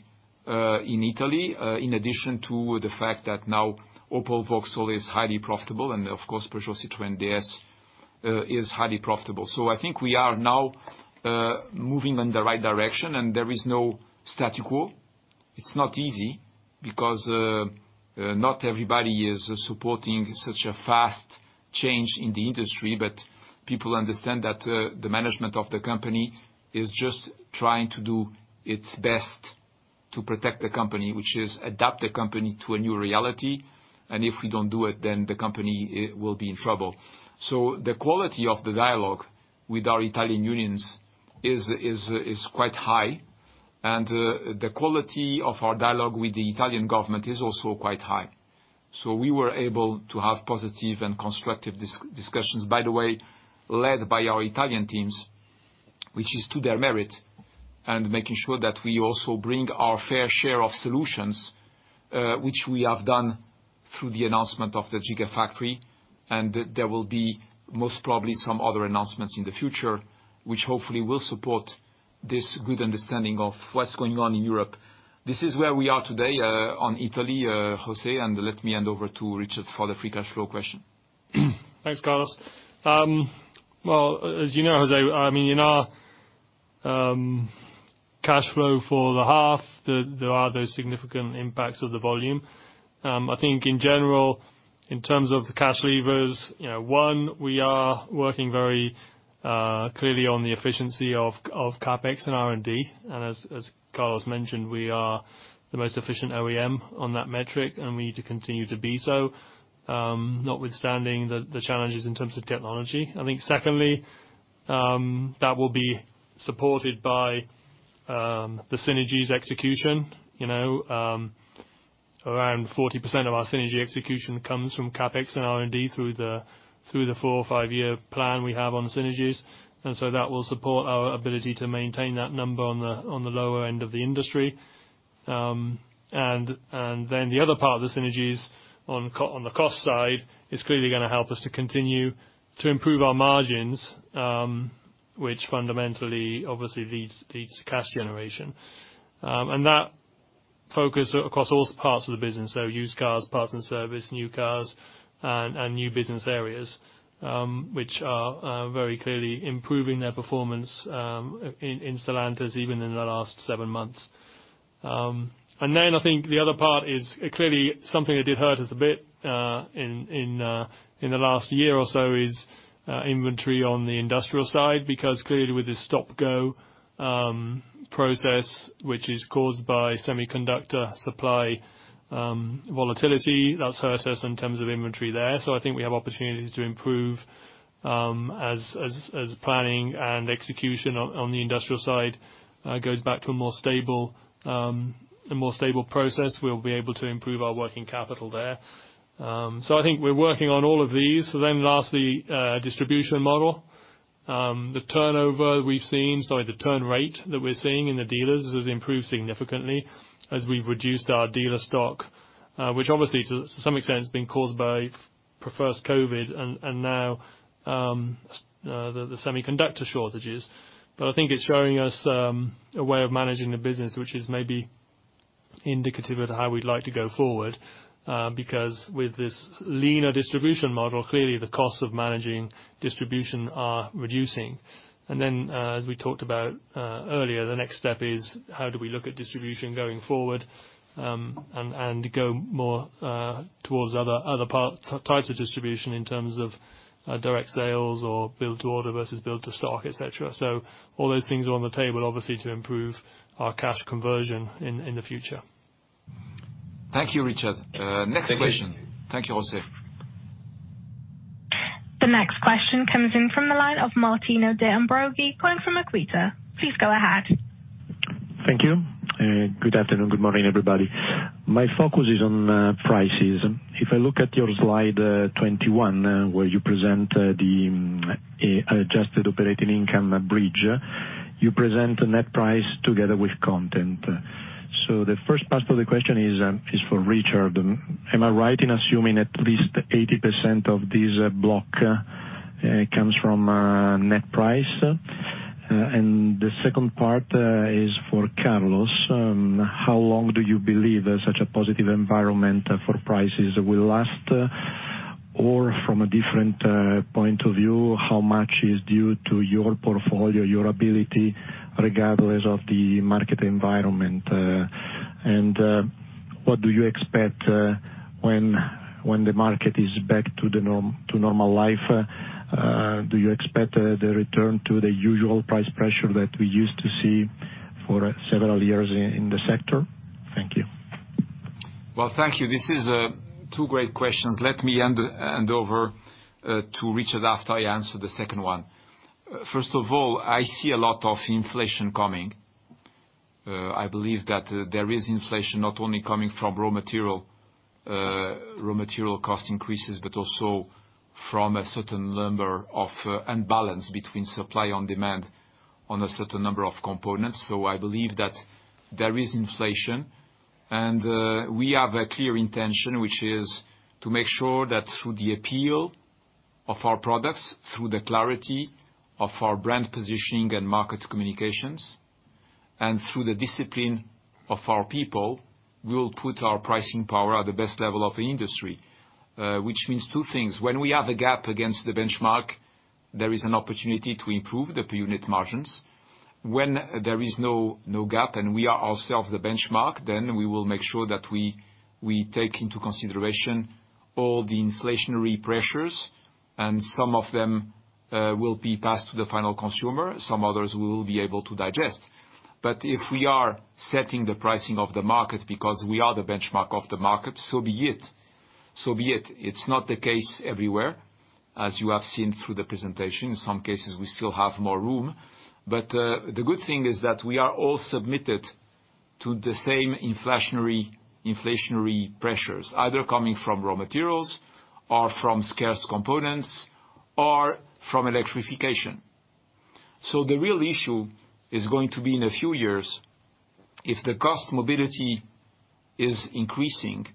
in Italy, in addition to the fact that now Opel Vauxhall is highly profitable and of course, Peugeot Citroën DS is highly profitable. I think we are now moving in the right direction and there is no status quo. It's not easy, because not everybody is supporting such a fast change in the industry. People understand that the management of the company is just trying to do its best to protect the company, which is adapt the company to a new reality. If we don't do it, then the company will be in trouble. The quality of the dialogue with our Italian unions is quite high, and the quality of our dialogue with the Italian government is also quite high. We were able to have positive and constructive discussions, by the way, led by our Italian teams, which is to their merit, and making sure that we also bring our fair share of solutions, which we have done through the announcement of the gigafactory. There will be most probably some other announcements in the future, which hopefully will support this good understanding of what's going on in Europe. This is where we are today, on Italy, José. Let me hand over to Richard for the free cash flow question. Thanks, Carlos. Well, as you know,, in our cash flow for the half, there are those significant impacts of the volume. I think in general, in terms of the cash levers, one, we are working very clearly on the efficiency of CapEx and R&D. As Carlos mentioned, we are the most efficient OEM on that metric, and we need to continue to be so, notwithstanding the challenges in terms of technology. I think secondly, that will be supported by the synergies execution. Around 40% of our synergy execution comes from CapEx and R&D through the four or five year plan we have on synergies. That will support our ability to maintain that number on the lower end of the industry. The other part of the synergies on the cost side is clearly going to help us to continue to improve our margins, which fundamentally, obviously, leads to cash generation. That focus across all parts of the business, so used cars, parts and service, new cars and new business areas, which are very clearly improving their performance in Stellantis, even in the last seven months. I think the other part is, clearly something that did hurt us a bit in the last year or so is inventory on the industrial side, because clearly with this stop-go process, which is caused by semiconductor supply volatility, that's hurt us in terms of inventory there. I think we have opportunities to improve, as planning and execution on the industrial side goes back to a more stable process, we'll be able to improve our working capital there. I think we're working on all of these. Lastly, distribution model. The turnover we've seen, sorry, the turn rate that we're seeing in the dealers has improved significantly as we've reduced our dealer stock which obviously to some extent has been caused by first COVID and now the semiconductor shortages. I think it's showing us a way of managing the business, which is maybe indicative of how we'd like to go forward. With this leaner distribution model, clearly the costs of managing distribution are reducing. As we talked about earlier, the next step is how do we look at distribution going forward, and go more towards other types of distribution in terms of direct sales or build to order versus build to stock, et cetera. All those things are on the table, obviously, to improve our cash conversion in the future. Thank you, Richard. Next question. Thank you. Thank you, José. The next question comes in from the line of Martino De Ambroggi calling from Equita. Please go ahead. Thank you. Good afternoon, good morning, everybody. My focus is on prices. If I look at your slide 21, where you present the Adjusted operating income bridge, you present net price together with content. The first part of the question is for Richard. Am I right in assuming at least 80% of this block comes from net price? The second part is for Carlos. How long do you believe such a positive environment for prices will last? Or from a different point of view, how much is due to your portfolio, your ability, regardless of the market environment? What do you expect when the market is back to normal life? Do you expect the return to the usual price pressure that we used to see for several years in the sector? Thank you. Well, thank you. These are two great questions. Let me hand over to Richard after I answer the second one. First of all, I see a lot of inflation coming. I believe that there is inflation not only coming from raw material cost increases, but also from a certain number of imbalance between supply and demand on a certain number of components. I believe that there is inflation. We have a clear intention, which is to make sure that through the appeal of our products, through the clarity of our brand positioning and market communications, and through the discipline of our people, we will put our pricing power at the best level of the industry. Which means two things. When we have a gap against the benchmark, there is an opportunity to improve the per unit margins. When there is no gap and we are ourselves the benchmark, then we will make sure that we take into consideration all the inflationary pressures, and some of them will be passed to the final consumer, some others we will be able to digest. If we are setting the pricing of the market because we are the benchmark of the market, so be it. It's not the case everywhere, as you have seen through the presentation. In some cases, we still have more room. The good thing is that we are all submitted to the same inflationary pressures, either coming from raw materials, or from scarce components, or from electrification. The real issue is going to be in a few years, if the cost of mobility is increasing,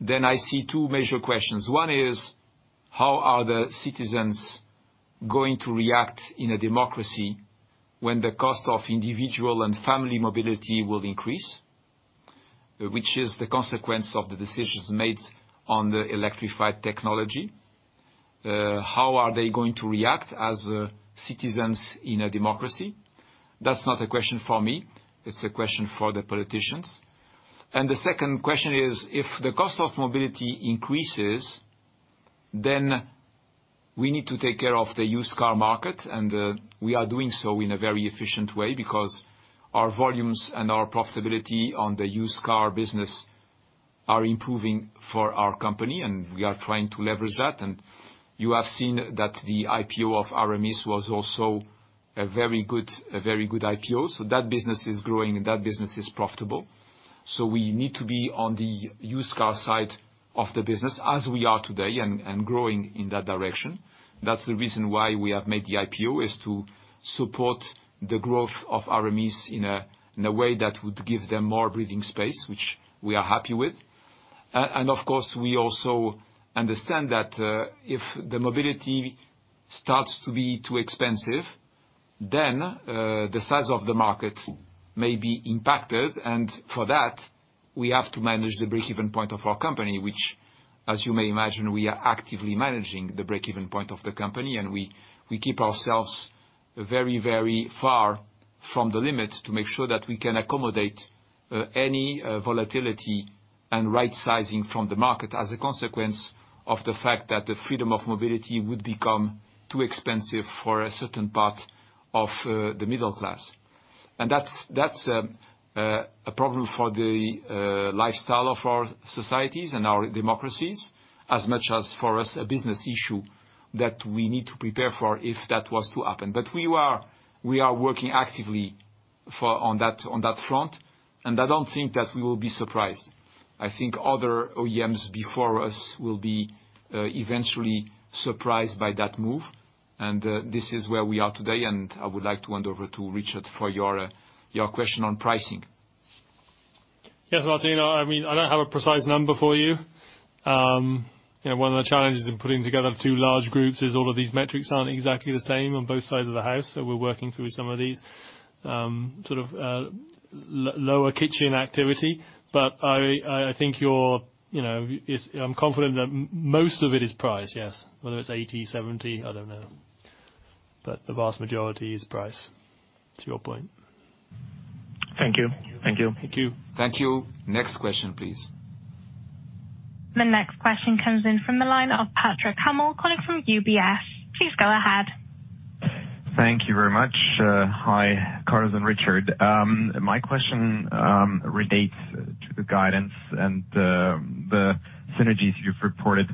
then I see two major questions. One is, how are the citizens going to react in a democracy when the cost of individual and family mobility will increase, which is the consequence of the decisions made on the electrified technology. How are they going to react as citizens in a democracy? That's not a question for me, it's a question for the politicians. The second question is, if the cost of mobility increases, then we need to take care of the used car market, and we are doing so in a very efficient way, because our volumes and our profitability on the used car business are improving for our company, and we are trying to leverage that. You have seen that the IPO of Aramis was also a very good IPO. That business is growing, and that business is profitable. We need to be on the used car side of the business, as we are today, and growing in that direction. That's the reason why we have made the IPO, is to support the growth of Aramis in a way that would give them more breathing space, which we are happy with. Of course, we also understand that if the mobility starts to be too expensive, then the size of the market may be impacted. For that, we have to manage the break-even point of our company, which, as you may imagine, we are actively managing the break-even point of the company. We keep ourselves very far from the limit to make sure that we can accommodate any volatility and right-sizing from the market as a consequence of the fact that the freedom of mobility would become too expensive for a certain part of the middle class. That's a problem for the lifestyle of our societies and our democracies as much as for us, a business issue that we need to prepare for if that was to happen. We are working actively on that front, and I don't think that we will be surprised. I think other OEMs before us will be eventually surprised by that move, and this is where we are today. I would like to hand over to Richard for your question on pricing. Yes, Martino, I don't have a precise number for you. One of the challenges in putting together two large groups is all of these metrics aren't exactly the same on both sides of the house, so we're working through some of these sort of lower kitchen activity. I'm confident that most of it is price, yes. Whether it's 80%, 70%, I don't know. The vast majority is price, to your point. Thank you. Thank you. Thank you. Next question, please. The next question comes in from the line of Patrick Hummel calling from UBS. Please go ahead. Thank you very much. Hi, Carlos and Richard. My question relates to the guidance and the synergies you've reported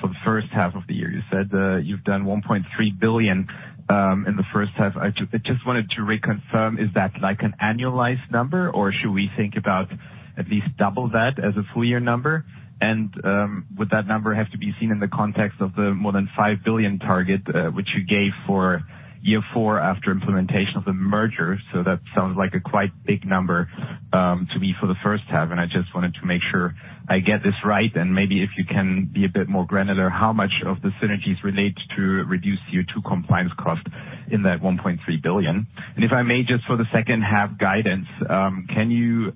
for the first half of the year. You said, you've done 1.3 billion in the first half. I just wanted to reconfirm, is that like an annualized number, or should we think about at least double that as a full year number? Would that number have to be seen in the context of the more than 5 billion target, which you gave for year four after implementation of the merger? That sounds like a quite big number to me for the first half, and I just wanted to make sure I get this right. Maybe if you can be a bit more granular, how much of the synergies relate to reduced CO2 compliance cost in that 1.3 billion? If I may, just for the second half guidance, can you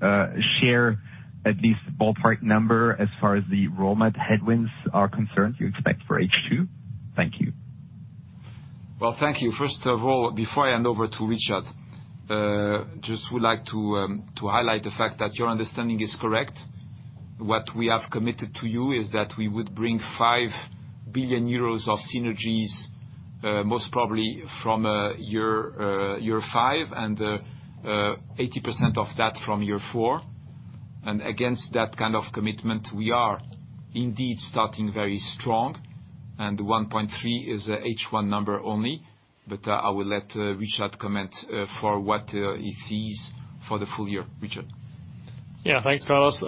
share at least a ballpark number as far as the raw material headwinds are concerned you expect for H2? Thank you. Well, thank you. First of all, before I hand over to Richard, just would like to highlight the fact that your understanding is correct. What we have committed to you is that we would bring 5 billion euros of synergies, most probably from year five, and 80% of that from year four. Against that kind of commitment, we are indeed starting very strong, and 1.3 billion is a H1 number only. I will let Richard comment for what it is for the full year. Richard? Thanks, Carlos.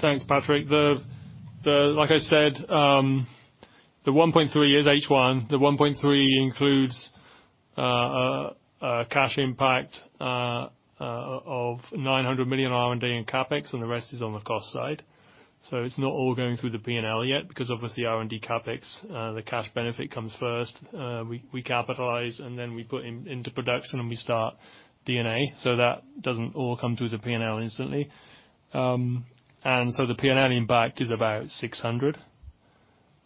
Thanks, Patrick. Like I said, the 1.3 billion is H1. The 1.3 billion includes cash impact of 900 million in R&D and CapEx, the rest is on the cost side. It's not all going through the P&L yet because obviously R&D, CapEx, the cash benefit comes first. We capitalize and then we put into production and we start D&A. That doesn't all come through the P&L instantly. The P&L impact is about 600 million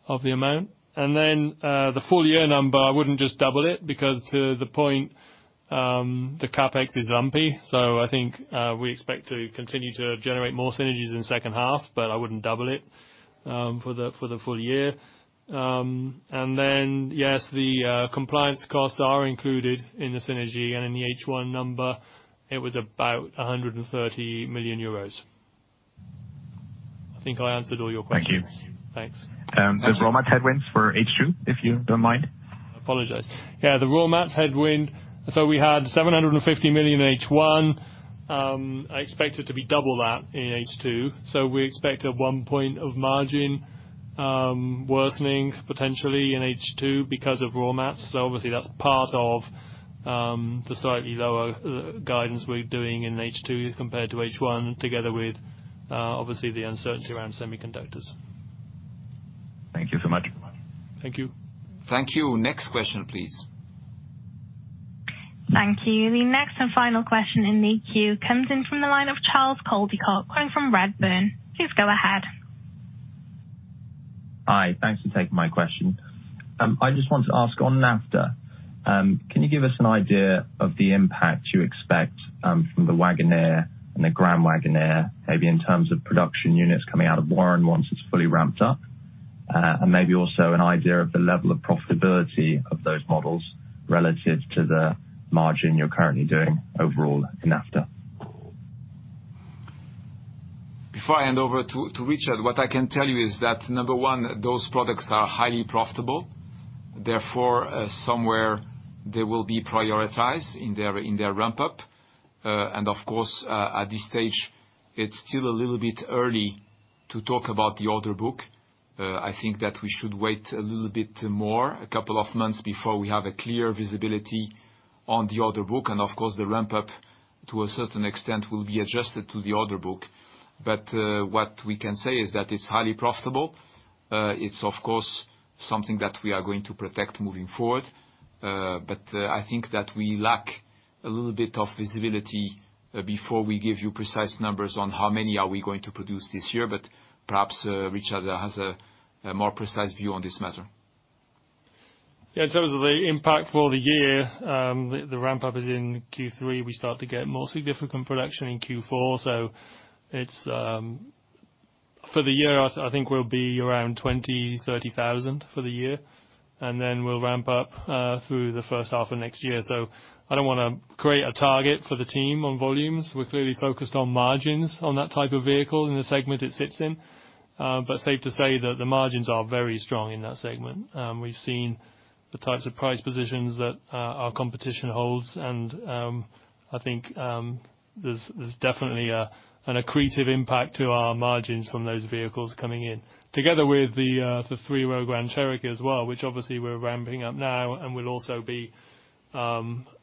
of the amount. The full year number, I wouldn't just double it because to the point, the CapEx is lumpy. I think, we expect to continue to generate more synergies in the second half, but I wouldn't double it for the full year. Yes, the compliance costs are included in the synergy. In the H1 number, it was about 130 million euros. I think I answered all your questions. Thank you. Thanks. There's raw mats headwinds for H2, if you don't mind? I apologize. Yeah, the raw mats headwind. We had 750 million in H1. I expect it to be double that in H2. We expect a 1 point of margin worsening potentially in H2 because of raw mats. Obviously that's part of the slightly lower guidance we're doing in H2 compared to H1, together with, obviously, the uncertainty around semiconductors. Thank you so much. Thank you. Thank you. Next question, please. Thank you. The next and final question in the queue comes in from the line of Charles Coldicott calling from Redburn. Please go ahead. Hi. Thanks for taking my question. I just want to ask on NAFTA, can you give us an idea of the impact you expect, from the Wagoneer and the Grand Wagoneer, maybe in terms of production units coming out of Warren once it's fully ramped up? Maybe also an idea of the level of profitability of those models relative to the margin you're currently doing overall in NAFTA? Before I hand over to Richard, what I can tell you is that, number one, those products are highly profitable, therefore, somewhere they will be prioritized in their ramp-up. Of course, at this stage, it's still a little bit early to talk about the order book. I think that we should wait a bit more, a couple of months before we have a clear visibility on the order book. Of course, the ramp-up to a certain extent will be adjusted to the order book. What we can say is that it's highly profitable. It's, of course, something that we are going to protect moving forward. I think that we lack a little bit of visibility before we give you precise numbers on how many are we going to produce this year. Perhaps, Richard has a more precise view on this matter. In terms of the impact for the year, the ramp-up is in Q3. We start to get most significant production in Q4. For the year, I think we'll be around 20,000-30,000 for the year, and then we'll ramp up through the first half of next year. I don't want to create a target for the team on volumes. We're clearly focused on margins on that type of vehicle in the segment it sits in. Safe to say that the margins are very strong in that segment. We've seen the types of price positions that our competition holds, and I think there's definitely an accretive impact to our margins from those vehicles coming in. Together with the 3-row Grand Cherokee as well, which obviously we're ramping up now and will also be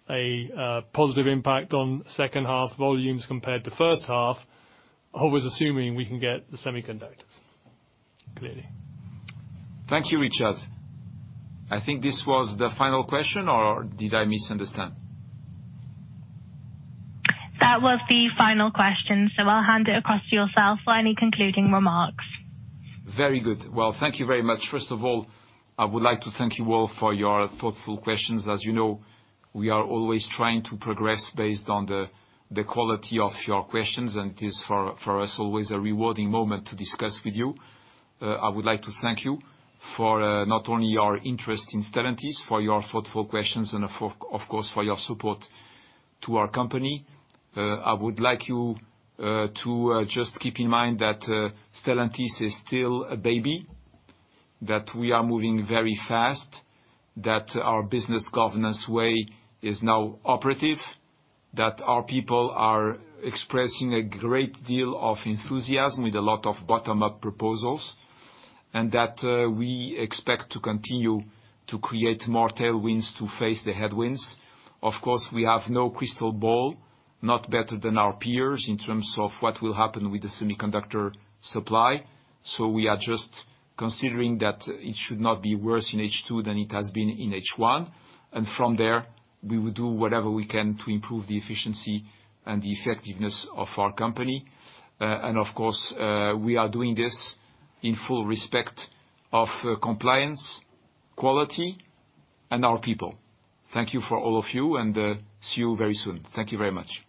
a positive impact on second half volumes compared to first half. Always assuming we can get the semiconductors, clearly. Thank you, Richard. I think this was the final question, or did I misunderstand? That was the final question. I'll hand it across to yourself for any concluding remarks. Very good. Thank you very much. First of all, I would like to thank you all for your thoughtful questions. As you know, we are always trying to progress based on the quality of your questions, and it is for us, always a rewarding moment to discuss with you. I would like to thank you for not only your interest in Stellantis, for your thoughtful questions, and of course, for your support to our company. I would like you to just keep in mind that Stellantis is still a baby, that we are moving very fast, that our business governance way is now operative, that our people are expressing a great deal of enthusiasm with a lot of bottom-up proposals, and that we expect to continue to create more tailwinds to face the headwinds. We have no crystal ball, not better than our peers in terms of what will happen with the semiconductor supply. We are just considering that it should not be worse in H2 than it has been in H1. From there, we will do whatever we can to improve the efficiency and the effectiveness of our company. Of course, we are doing this in full respect of compliance, quality and our people. Thank you for all of you, and see you very soon. Thank you very much.